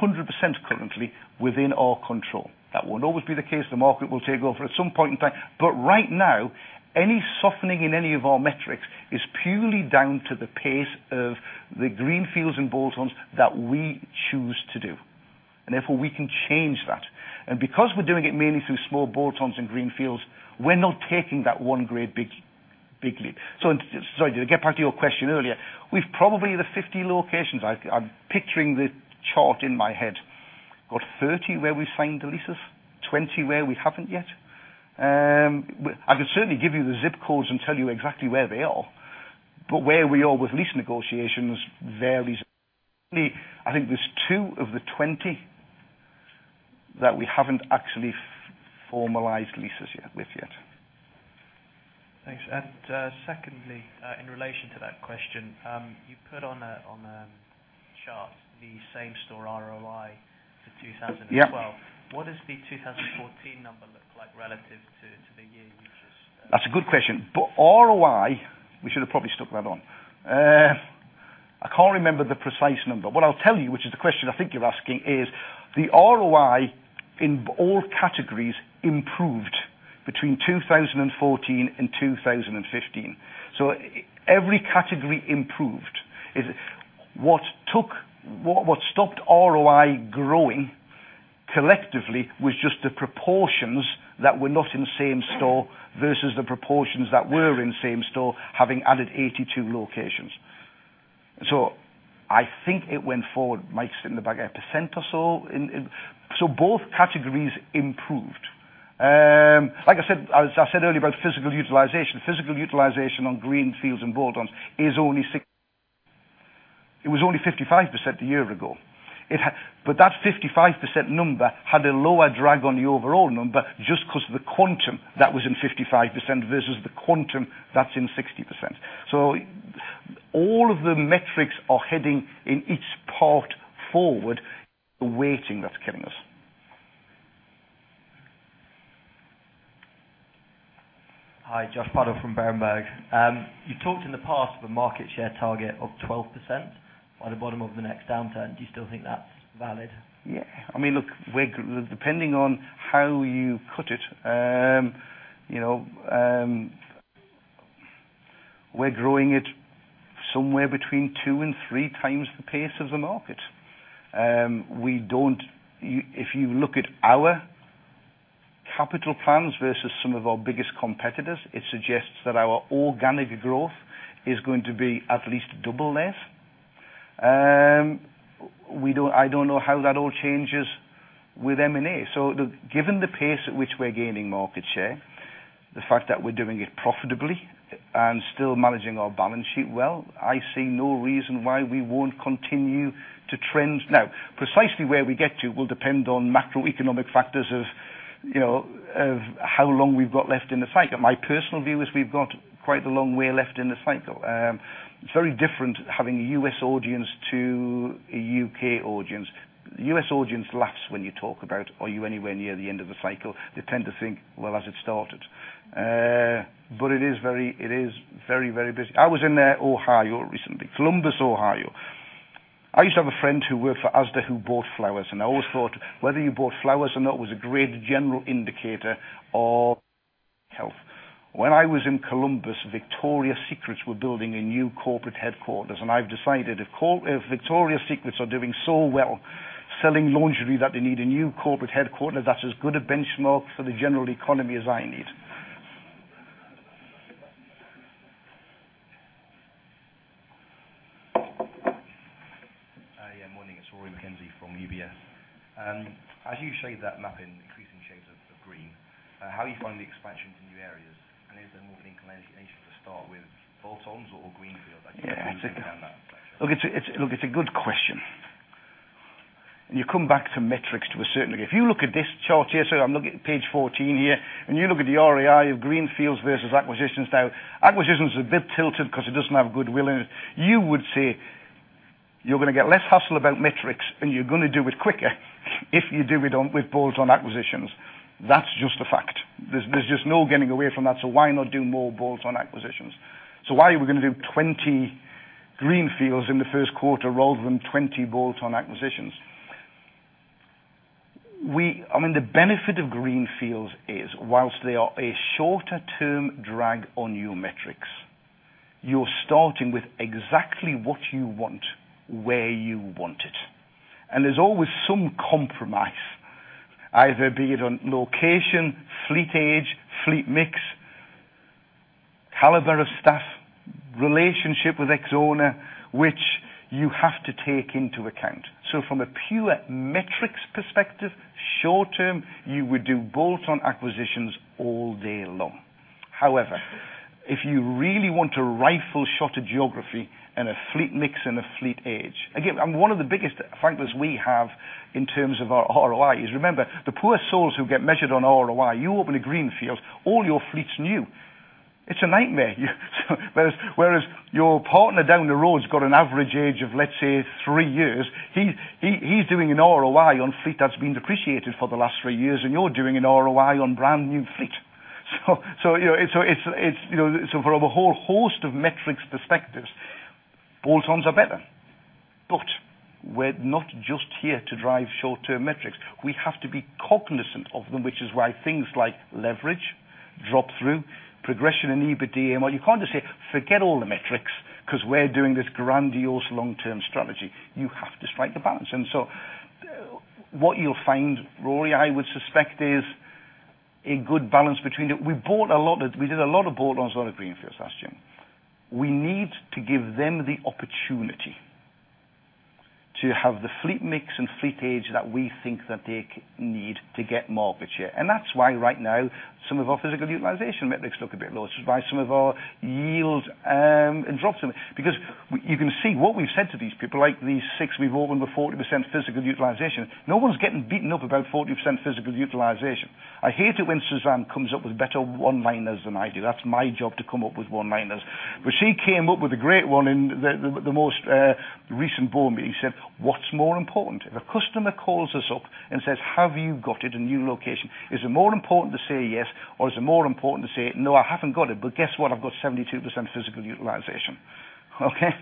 Speaker 1: currently within our control. That won't always be the case. The market will take over at some point in time. Right now, any softening in any of our metrics is purely down to the pace of the greenfields and bolt-ons that we choose to do. Therefore, we can change that. Because we're doing it mainly through small bolt-ons and greenfields, we're not taking that one great big leap. Sorry, to get back to your question earlier. With probably the 50 locations, I'm picturing the chart in my head. Got 30 where we signed the leases, 20 where we haven't yet. I could certainly give you the zip codes and tell you exactly where they are. Where we are with lease negotiations varies. I think there's two of the 20 that we haven't actually formalized leases with yet.
Speaker 6: Thanks. Secondly, in relation to that question, you put on the chart the same store ROI for 2012.
Speaker 1: Yeah.
Speaker 6: What does the 2014 number look like relative to the year you just-
Speaker 1: ROI We should have probably stuck that on. I can't remember the precise number. What I'll tell you, which is the question I think you're asking, is the ROI in all categories improved between 2014 and 2015. Every category improved. What stopped ROI growing Collectively, was just the proportions that were not in the same store versus the proportions that were in same store, having added 82 locations. I think it went forward, Mike's in the back, a % or so? Both categories improved. Like I said earlier about physical utilization. physical utilization on greenfields and bolt-ons, it was only 55% a year ago. That 55% number had a lower drag on the overall number just because of the quantum that was in 55% versus the quantum that's in 60%. All of the metrics are heading, in each part, forward. It's the weighting that's killing us.
Speaker 7: Hi, Josh Pade from Berenberg. You talked in the past of a market share target of 12% by the bottom of the next downturn. Do you still think that's valid?
Speaker 1: Yeah. Look, depending on how you cut it, we're growing at somewhere between two and three times the pace of the market. If you look at our capital plans versus some of our biggest competitors, it suggests that our organic growth is going to be at least double theirs. I don't know how that all changes with M&A. Given the pace at which we're gaining market share, the fact that we're doing it profitably and still managing our balance sheet well, I see no reason why we won't continue to trend. Precisely where we get to will depend on macroeconomic factors of how long we've got left in the cycle. My personal view is we've got quite a long way left in the cycle. It's very different having a U.S. audience to a U.K. audience. U.S. audience laughs when you talk about, are you anywhere near the end of the cycle? They tend to think, "Well, has it started?" But it is very, very busy. I was in Ohio recently. Columbus, Ohio. I used to have a friend who worked for Asda, who bought flowers, and I always thought whether you bought flowers or not was a great general indicator of health. When I was in Columbus, Victoria's Secret were building a new corporate headquarters, and I've decided if Victoria's Secret are doing so well selling lingerie that they need a new corporate headquarters, that's as good a benchmark for the general economy as I need.
Speaker 8: Hi, morning. It's Rory Mackenzie from UBS. As you showed that map in increasing shades of green, how are you finding the expansion to new areas? Is there more inclination to start with bolt-ons or greenfield as you move around that spectrum?
Speaker 1: It's a good question. You come back to metrics to a certain degree. If you look at this chart here, so I'm looking at page 14 here, and you look at the ROI of greenfields versus acquisitions now, acquisitions is a bit tilted because it doesn't have goodwill in it. You would say you're going to get less hassle about metrics, and you're going to do it quicker if you do it with bolt-on acquisitions. That's just a fact. There's just no getting away from that. Why not do more bolt-on acquisitions? Why are we going to do 20 greenfields in the first quarter rather than 20 bolt-on acquisitions? The benefit of greenfields is, whilst they are a shorter-term drag on your metrics, you're starting with exactly what you want, where you want it. There's always some compromise, either be it on location, fleet age, fleet mix, caliber of staff, relationship with ex-owner, which you have to take into account. From a pure metrics perspective, short term, you would do bolt-on acquisitions all day long. However, if you really want a rifle shot of geography and a fleet mix and a fleet age. Again, one of the biggest factors we have in terms of our ROI is, remember, the poor souls who get measured on ROI, you open a greenfield, all your fleet's new. It's a nightmare. Whereas your partner down the road's got an average age of, let's say, three years. He's doing an ROI on fleet that's been depreciated for the last three years, and you're doing an ROI on brand new fleet. For a whole host of metrics perspectives, bolt-ons are better. We're not just here to drive short-term metrics. We have to be cognizant of them, which is why things like leverage, drop-through, progression in EBITDA. You can't just say, "Forget all the metrics because we're doing this grandiose long-term strategy." You have to strike the balance. So what you'll find, Rory, I would suspect, is a good balance between the We did a lot of bolt-ons, a lot of greenfields last year. We need to give them the opportunity to have the fleet mix and fleet age that we think that they need to get market share. That's why right now, some of our physical utilization metrics look a bit low. Because you can see what we've said to these people, like these six we've opened with 40% physical utilization. No one's getting beaten up about 40% physical utilization. I hate it when Suzanne comes up with better one-liners than I do. That's my job to come up with one-liners. She came up with a great one in the most recent board meeting. She said, "What's more important? If a customer calls us up and says, 'Have you got it in a new location?' Is it more important to say yes, or is it more important to say, 'No, I haven't got it, but guess what? I've got 72% physical utilization.'" Okay?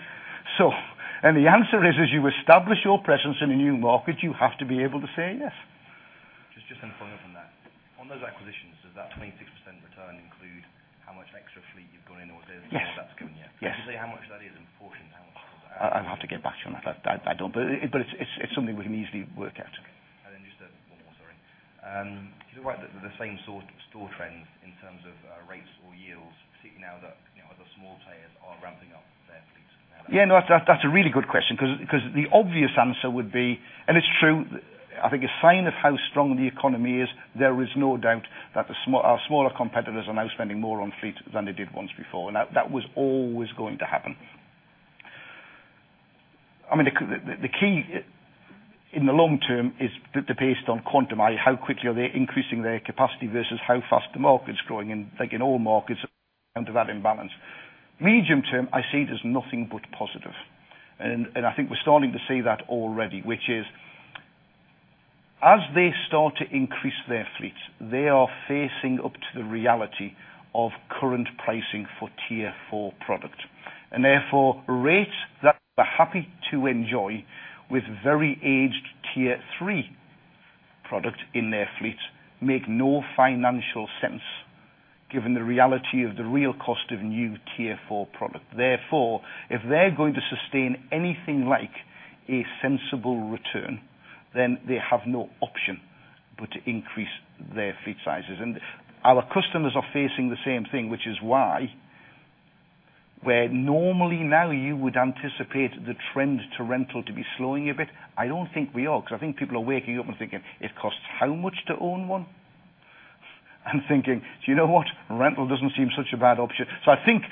Speaker 1: The answer is, as you establish your presence in a new market, you have to be able to say yes.
Speaker 8: Just following up on that. On those acquisitions, does that 26% return include how much extra fleet you've got in?
Speaker 1: Yes
Speaker 8: All that's coming in?
Speaker 1: Yes.
Speaker 8: Can you say how much that is in proportion to how much
Speaker 1: I'd have to get back to you on that, but it's something we can easily work out.
Speaker 8: Okay. Then just one more, sorry. Do you worry that the same-store trends in terms of rates or yields, now that other small players are ramping up their fleets
Speaker 1: Yeah, no, that's a really good question because the obvious answer would be. It's true, I think a sign of how strong the economy is, there is no doubt that our smaller competitors are now spending more on fleets than they did once before, that was always going to happen. The key in the long term is based on quantum, how quickly are they increasing their capacity versus how fast the market's growing. Like in all markets, that imbalance. Medium term, I see it as nothing but positive, and I think we're starting to see that already, which is, as they start to increase their fleets, they are facing up to the reality of current pricing for Tier 4 product. Therefore, rates that they're happy to enjoy with very aged Tier 3 product in their fleets make no financial sense given the reality of the real cost of new Tier 4 product. Therefore, if they're going to sustain anything like a sensible return, then they have no option but to increase their fleet sizes. Our customers are facing the same thing, which is why, where normally now you would anticipate the trend to rental to be slowing a bit, I don't think we are, because I think people are waking up and thinking, "It costs how much to own one?" And thinking, "Do you know what? Rental doesn't seem such a bad option." I think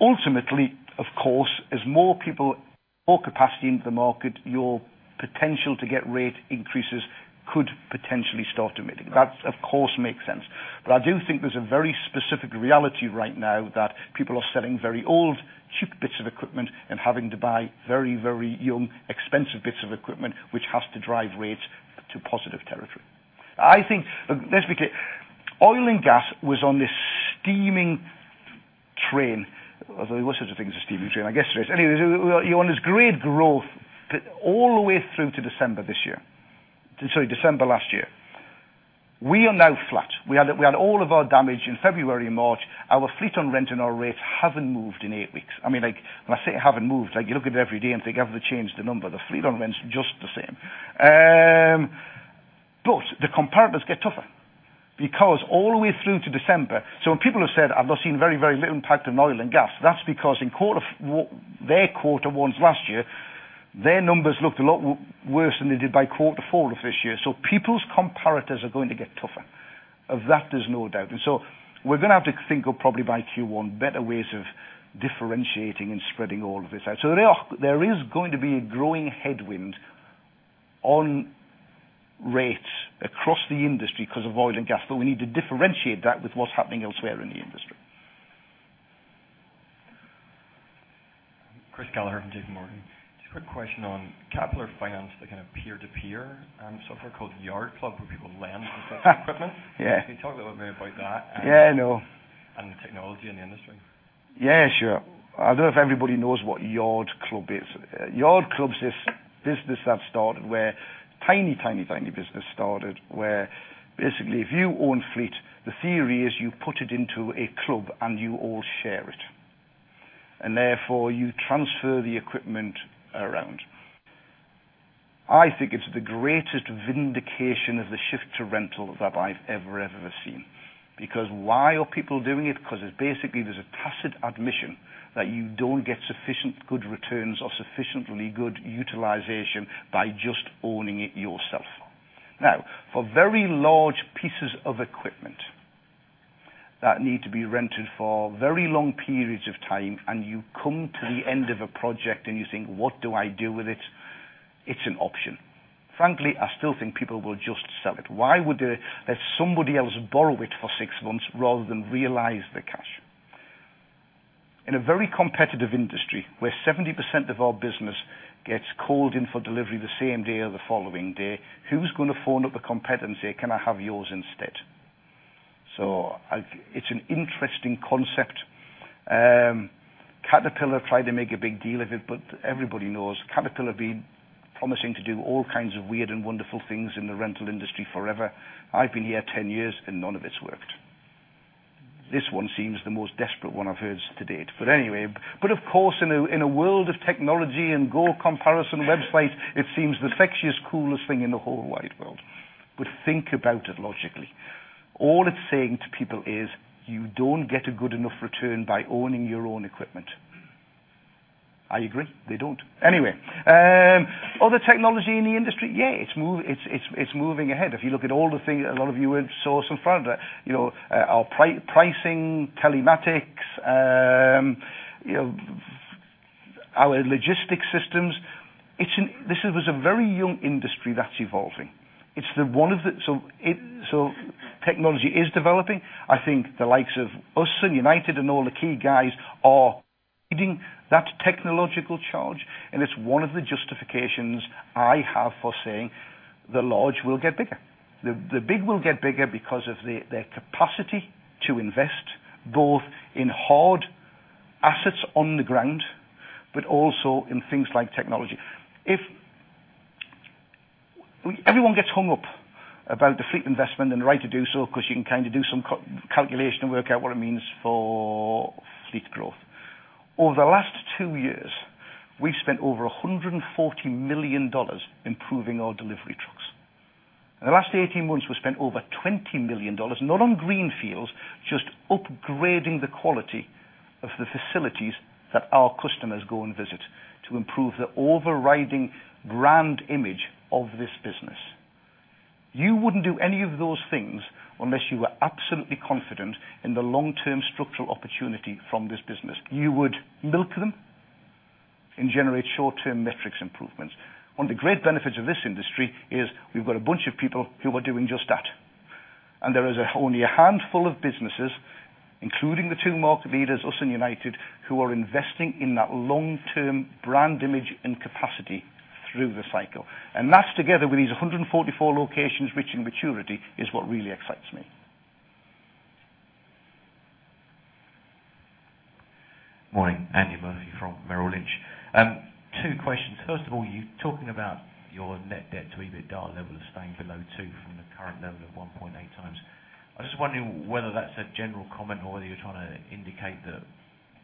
Speaker 1: ultimately, of course, as more people, more capacity into the market, your potential to get rate increases could potentially start abating. Of course, makes sense. I do think there's a very specific reality right now that people are selling very old, cheap bits of equipment and having to buy very, very young, expensive bits of equipment, which has to drive rates to positive territory. Let's be clear. Oil and gas was on this steaming train, although what sort of thing is a steaming train? I guess there is. Anyway, you're on this great growth all the way through to December this year. Sorry, December last year. We are now flat. We had all of our damage in February and March. Our fleet on rent and our rates haven't moved in eight weeks. When I say it haven't moved, you look at it every day and think, "Have they changed the number?" The fleet on rent's just the same. The comparables get tougher because all the way through to December when people have said, "I've now seen very, very little impact on oil and gas," that's because their quarter ones last year, their numbers looked a lot worse than they did by quarter four of this year. People's comparators are going to get tougher. Of that, there's no doubt. We're going to have to think of probably by Q1 better ways of differentiating and spreading all of this out. There is going to be a growing headwind on rates across the industry because of oil and gas, we need to differentiate that with what's happening elsewhere in the industry.
Speaker 9: Chris Gallagher from JPMorgan. Just a quick question on Caterpillar Finance, the kind of peer-to-peer software called Yard Club where people lend equipment.
Speaker 1: Yeah.
Speaker 9: Can you talk a little bit about that?
Speaker 1: Yeah, I know.
Speaker 9: The technology in the industry?
Speaker 1: Yeah, sure. I don't know if everybody knows what Yard Club is. Yard Club's this business that started where Tiny, tiny business started where basically if you own fleet, the theory is you put it into a club and you all share it. Therefore, you transfer the equipment around. I think it's the greatest vindication of the shift to rental that I've ever seen. Because why are people doing it? Because it's basically there's a tacit admission that you don't get sufficient good returns or sufficiently good utilization by just owning it yourself. Now, for very large pieces of equipment that need to be rented for very long periods of time, and you come to the end of a project, and you think, "What do I do with it?" It's an option. Frankly, I still think people will just sell it. Why would they let somebody else borrow it for six months rather than realize the cash? In a very competitive industry where 70% of our business gets called in for delivery the same day or the following day, who's going to phone up a competitor and say, "Can I have yours instead?" It's an interesting concept. Caterpillar tried to make a big deal of it, everybody knows Caterpillar have been promising to do all kinds of weird and wonderful things in the rental industry forever. I've been here 10 years, none of it's worked. This one seems the most desperate one I've heard to date. Anyway. Of course, in a world of technology and core comparison websites, it seems the sexiest, coolest thing in the whole wide world. Think about it logically. All it's saying to people is you don't get a good enough return by owning your own equipment. I agree. They don't. Anyway. Other technology in the industry, yeah, it's moving ahead. If you look at all the things a lot of you would see in front of that, our pricing, telematics, our logistics systems. This is a very young industry that's evolving. Technology is developing. I think the likes of us and United and all the key guys are leading that technological charge, it's one of the justifications I have for saying the large will get bigger. The big will get bigger because of their capacity to invest, both in hard assets on the ground, also in things like technology. Everyone gets hung up about the fleet investment, rightly so, because you can do some calculation and work out what it means for fleet growth. Over the last two years, we've spent over $140 million improving our delivery trucks. In the last 18 months, we spent over $20 million, not on greenfields, just upgrading the quality of the facilities that our customers go and visit to improve the overriding brand image of this business. You wouldn't do any of those things unless you were absolutely confident in the long-term structural opportunity from this business. You would milk them and generate short-term metrics improvements. One of the great benefits of this industry is we've got a bunch of people who are doing just that. There is only a handful of businesses, including the two market leaders, us and United, who are investing in that long-term brand image and capacity through the cycle. That together with these 144 locations reaching maturity, is what really excites me.
Speaker 10: Morning. Andy Murphy from Merrill Lynch. Two questions. First of all, you talking about your net debt to EBITDA level of staying below two from the current level of 1.8 times. I'm just wondering whether that's a general comment or whether you're trying to indicate that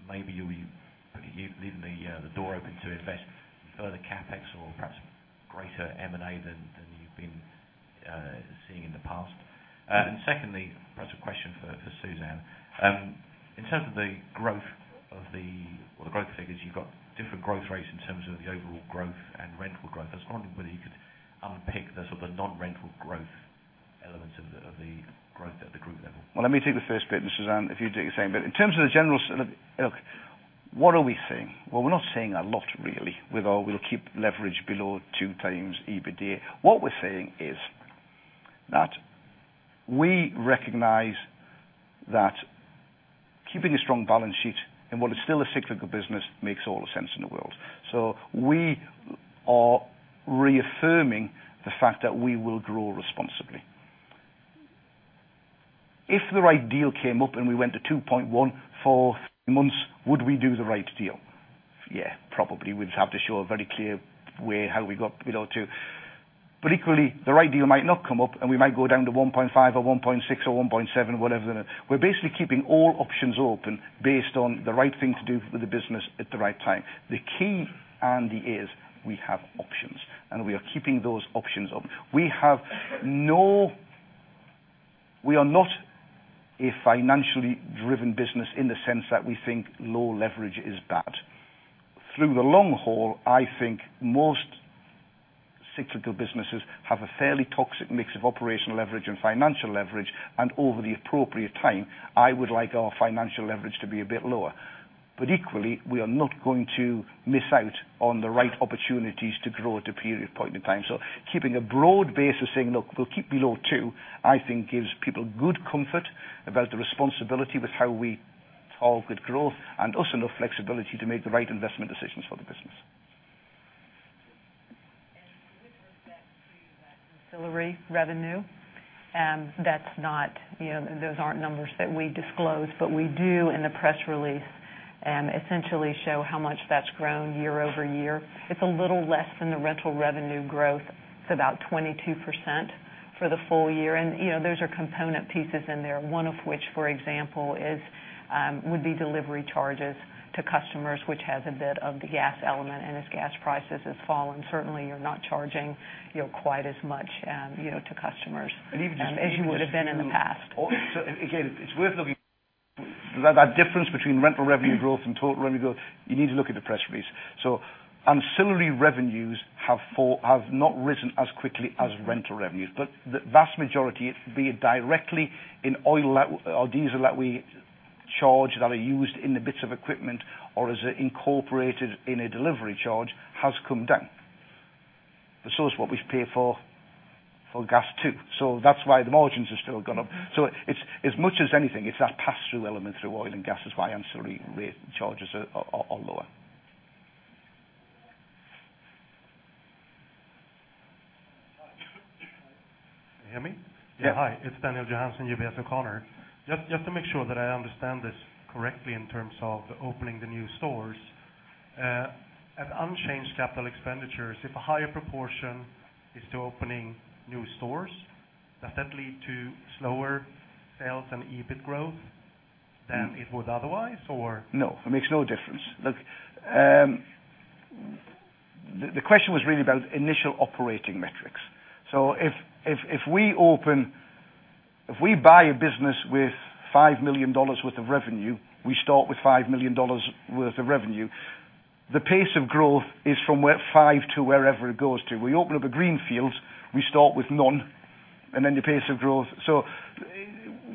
Speaker 10: maybe you're leaving the door open to invest further CapEx or perhaps greater M&A than you've been seeing in the past. Secondly, perhaps a question for Suzanne. In terms of the growth figures, you've got different growth rates in terms of the overall growth and rental growth. I was wondering whether you could unpick the sort of non-rental growth elements of the growth at the group level.
Speaker 1: Well, let me take the first bit, and Suzanne, if you take the second bit. In terms of the general sort of Look, what are we saying? Well, we're not saying a lot really with our, "We'll keep leverage below 2x EBITDA." What we're saying is that we recognize that keeping a strong balance sheet in what is still a cyclical business makes all the sense in the world. We are reaffirming the fact that we will grow responsibly. If the right deal came up and we went to 2.1 for three months, would we do the right deal? Yeah, probably. We'd have to show a very clear way how we got to Equally, the right deal might not come up, and we might go down to 1.5 or 1.6 or 1.7, whatever. We're basically keeping all options open based on the right thing to do for the business at the right time. The key, Andy, is we have options, and we are keeping those options open. We are not a financially driven business in the sense that we think low leverage is bad. Through the long haul, I think most cyclical businesses have a fairly toxic mix of operational leverage and financial leverage, and over the appropriate time, I would like our financial leverage to be a bit lower. Equally, we are not going to miss out on the right opportunities to grow at a period point in time. Keeping a broad base of saying, "Look, we'll keep below 2," I think gives people good comfort about the responsibility with how we target growth, and also enough flexibility to make the right investment decisions for the business.
Speaker 2: With respect to that ancillary revenue, those aren't numbers that we disclose, but we do in the press release, essentially show how much that's grown year-over-year. It's a little less than the rental revenue growth. It's about 22% for the full year. Those are component pieces in there. One of which, for example, would be delivery charges to customers, which has a bit of the gas element. As gas prices have fallen, certainly you're not charging quite as much to customers as you would have been in the past.
Speaker 1: Again, it's worth looking at that difference between rental revenue growth and total revenue growth. You need to look at the press release. Ancillary revenues have not risen as quickly as rental revenues, but the vast majority, be it directly in oil or diesel that we charge that are used in the bits of equipment or is incorporated in a delivery charge, has come down. But so has what we pay for gas too. That's why the margins have still gone up. As much as anything, it's that pass-through element through oil and gas is why ancillary rate charges are lower.
Speaker 11: Can you hear me?
Speaker 1: Yeah.
Speaker 11: Yeah. Hi, it's Daniel Oppenheim, UBS O'Connor. Just to make sure that I understand this correctly in terms of opening the new stores. At unchanged capital expenditures, if a higher proportion is to opening new stores, does that lead to slower sales and EBIT growth than it would otherwise or?
Speaker 1: No. It makes no difference. Look, the question was really about initial operating metrics. If we buy a business with GBP 5 million worth of revenue, we start with GBP 5 million worth of revenue. The pace of growth is from 5 to wherever it goes to. We open up a greenfield, we start with none, and then the pace of growth.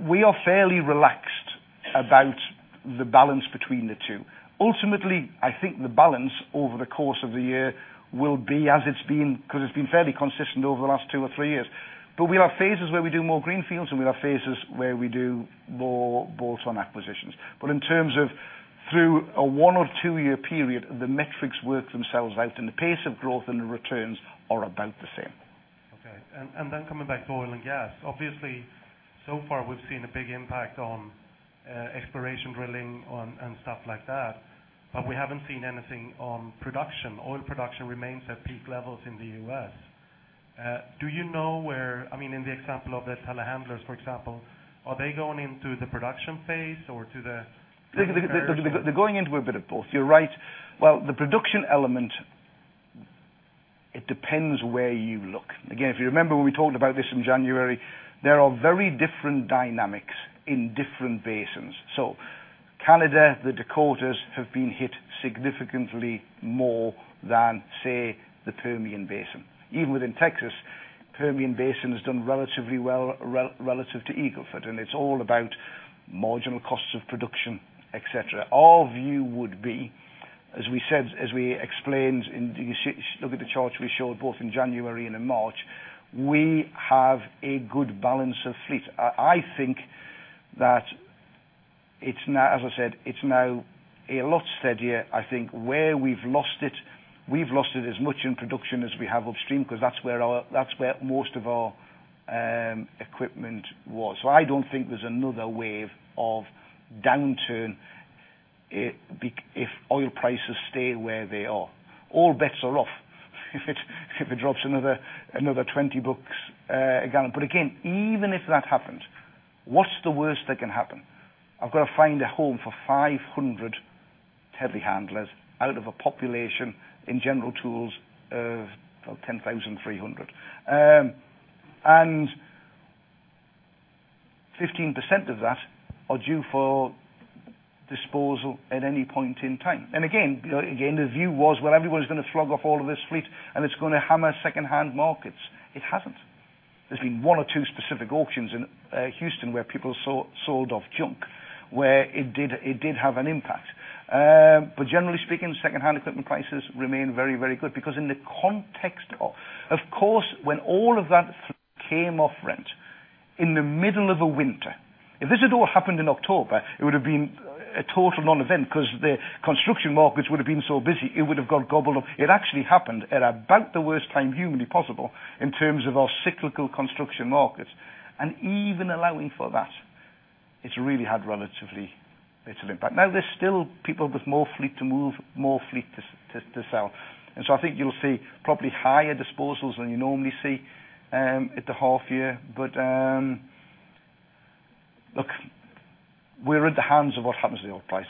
Speaker 1: We are fairly relaxed about the balance between the two. Ultimately, I think the balance over the course of the year will be as it's been, because it's been fairly consistent over the last two or three years. We have phases where we do more greenfields, and we have phases where we do more bolt-on acquisitions. In terms of through a one or two-year period, the metrics work themselves out, and the pace of growth and the returns are about the same.
Speaker 11: Coming back to oil and gas. Obviously, so far, we've seen a big impact on exploration drilling and stuff like that, but we haven't seen anything on production. Oil production remains at peak levels in the U.S. Do you know where, in the example of the telehandlers, for example, are they going into the production phase or to the?
Speaker 1: They're going into a bit of both. You're right. The production element, it depends where you look. Again, if you remember when we talked about this in January, there are very different dynamics in different basins. Canada, the Dakotas have been hit significantly more than, say, the Permian Basin. Even within Texas, Permian Basin has done relatively well relative to Eagle Ford, and it's all about marginal costs of production, et cetera. Our view would be, as we explained, look at the chart we showed both in January and in March, we have a good balance of fleet. I think that, as I said, it's now a lot steadier. I think where we've lost it, we've lost it as much in production as we have upstream, because that's where most of our equipment was. I don't think there's another wave of downturn if oil prices stay where they are. All bets are off if it drops another $20 a gallon. Again, even if that happened, what's the worst that can happen? I've got to find a home for 500 telehandlers out of a population in general tools of 10,300. 15% of that are due for disposal at any point in time. Again, the view was, everybody's going to slog off all of this fleet, and it's going to hammer secondhand markets. It hasn't. There's been one or two specific auctions in Houston where people sold off junk, where it did have an impact. Generally speaking, secondhand equipment prices remain very good because in the context, of course, when all of that came off rent in the middle of a winter. If this had all happened in October, it would have been a total non-event because the construction markets would have been so busy, it would have got gobbled up. It actually happened at about the worst time humanly possible in terms of our cyclical construction markets. Even allowing for that, it's really had relatively little impact. Now, there's still people with more fleet to move, more fleet to sell. I think you'll see probably higher disposals than you normally see at the half year. Look, we're at the hands of what happens to the oil price.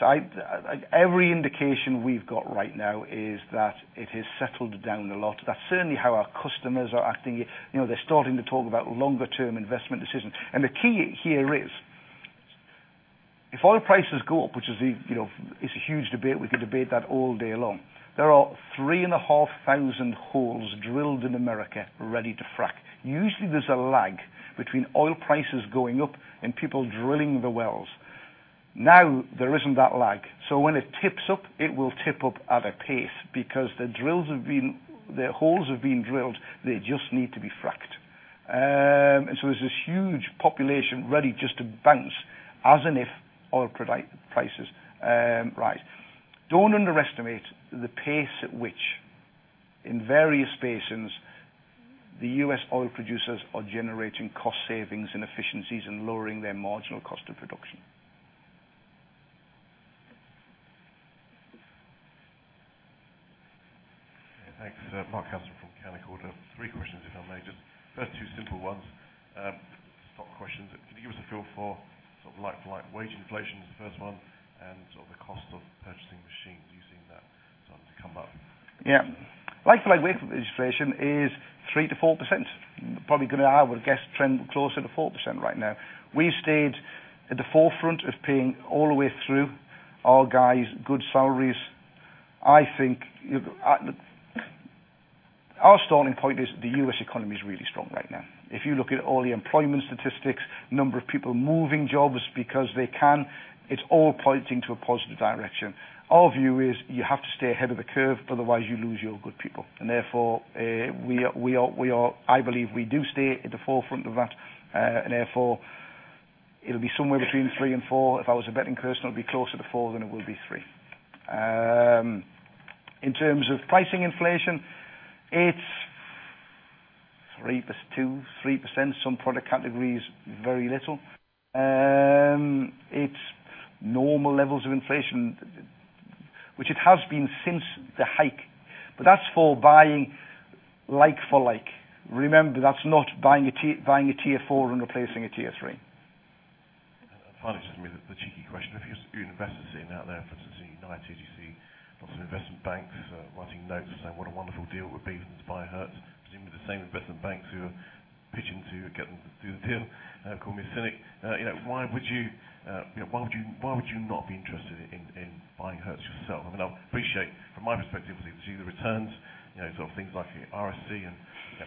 Speaker 1: Every indication we've got right now is that it has settled down a lot. That's certainly how our customers are acting. They're starting to talk about longer-term investment decisions. The key here is, if oil prices go up, which is a huge debate, we could debate that all day long. There are 3,500 holes drilled in America ready to frack. Usually, there's a lag between oil prices going up and people drilling the wells. Now, there isn't that lag. When it tips up, it will tip up at a pace because the holes have been drilled, they just need to be fracked. There's this huge population ready just to bounce as and if oil prices rise. Don't underestimate the pace at which, in various basins, the U.S. oil producers are generating cost savings and efficiencies and lowering their marginal cost of production.
Speaker 12: Thanks. Mark Castro from Canaccord. Three questions, if I may. Just two simple ones, stock questions. Can you give us a feel for like-for-like wage inflation is the first one, and the cost of purchasing machines. Are you seeing that starting to come up?
Speaker 1: Yeah. Like-for-like wage inflation is 3% to 4%. Probably going to, I would guess, trend closer to 4% right now. We stayed at the forefront of paying all the way through our guys good salaries. I think our starting point is the U.S. economy is really strong right now. If you look at all the employment statistics, number of people moving jobs because they can, it's all pointing to a positive direction. Our view is you have to stay ahead of the curve, otherwise you lose your good people. Therefore, I believe we do stay at the forefront of that, and therefore, it'll be somewhere between 3% and 4%. If I was a betting person, it'll be closer to 4% than it will be 3%. In terms of pricing inflation, it's 2%, 3%, some product categories, very little. It's normal levels of inflation, which it has been since the hike. That's for buying like for like. Remember, that's not buying a Tier 4 and replacing a Tier 3.
Speaker 12: Finally, just maybe the cheeky question. If you have investors sitting out there, for instance, in United, you see lots of investment banks writing notes saying what a wonderful deal it would be to buy Hertz, presumably the same investment banks who are pitching to get them to do the deal. Call me a cynic. Why would you not be interested in buying Hertz yourself? I appreciate from my perspective, obviously, the returns, things like RSC and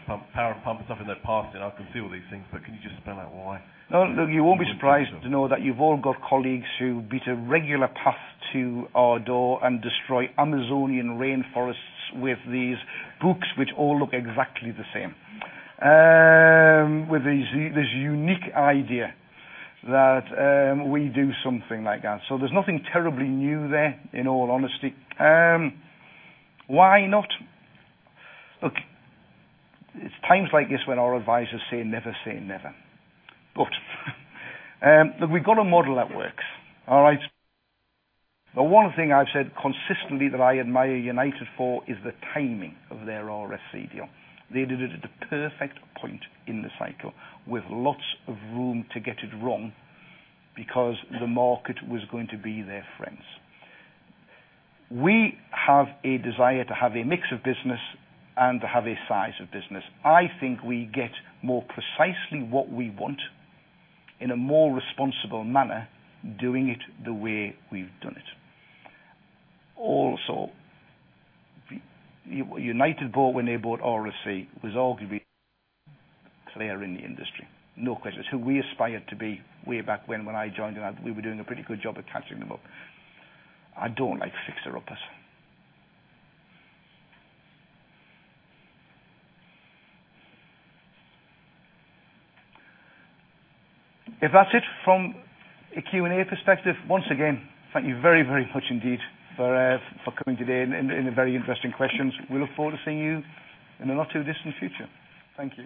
Speaker 12: Pump & Power and stuff in their past, and I can see all these things, can you just spell out why you would be interested?
Speaker 1: Look, you won't be surprised to know that you've all got colleagues who beat a regular path to our door and destroy Amazonian rainforests with these books which all look exactly the same. With this unique idea that we do something like that. There's nothing terribly new there, in all honesty. Why not? Look, it's times like this when our advisors say never say never. Look, we've got a model that works. All right. The one thing I've said consistently that I admire United for is the timing of their RSC deal. They did it at the perfect point in the cycle with lots of room to get it wrong because the market was going to be their friends. We have a desire to have a mix of business and to have a size of business. I think we get more precisely what we want in a more responsible manner, doing it the way we've done it. Also, United bought when they bought RSC, was arguably a player in the industry, no question. We aspired to be way back when I joined, and we were doing a pretty good job of catching them up. I don't like fixer-uppers. If that's it from a Q&A perspective, once again, thank you very much indeed for coming today and the very interesting questions. We look forward to seeing you in the not too distant future. Thank you.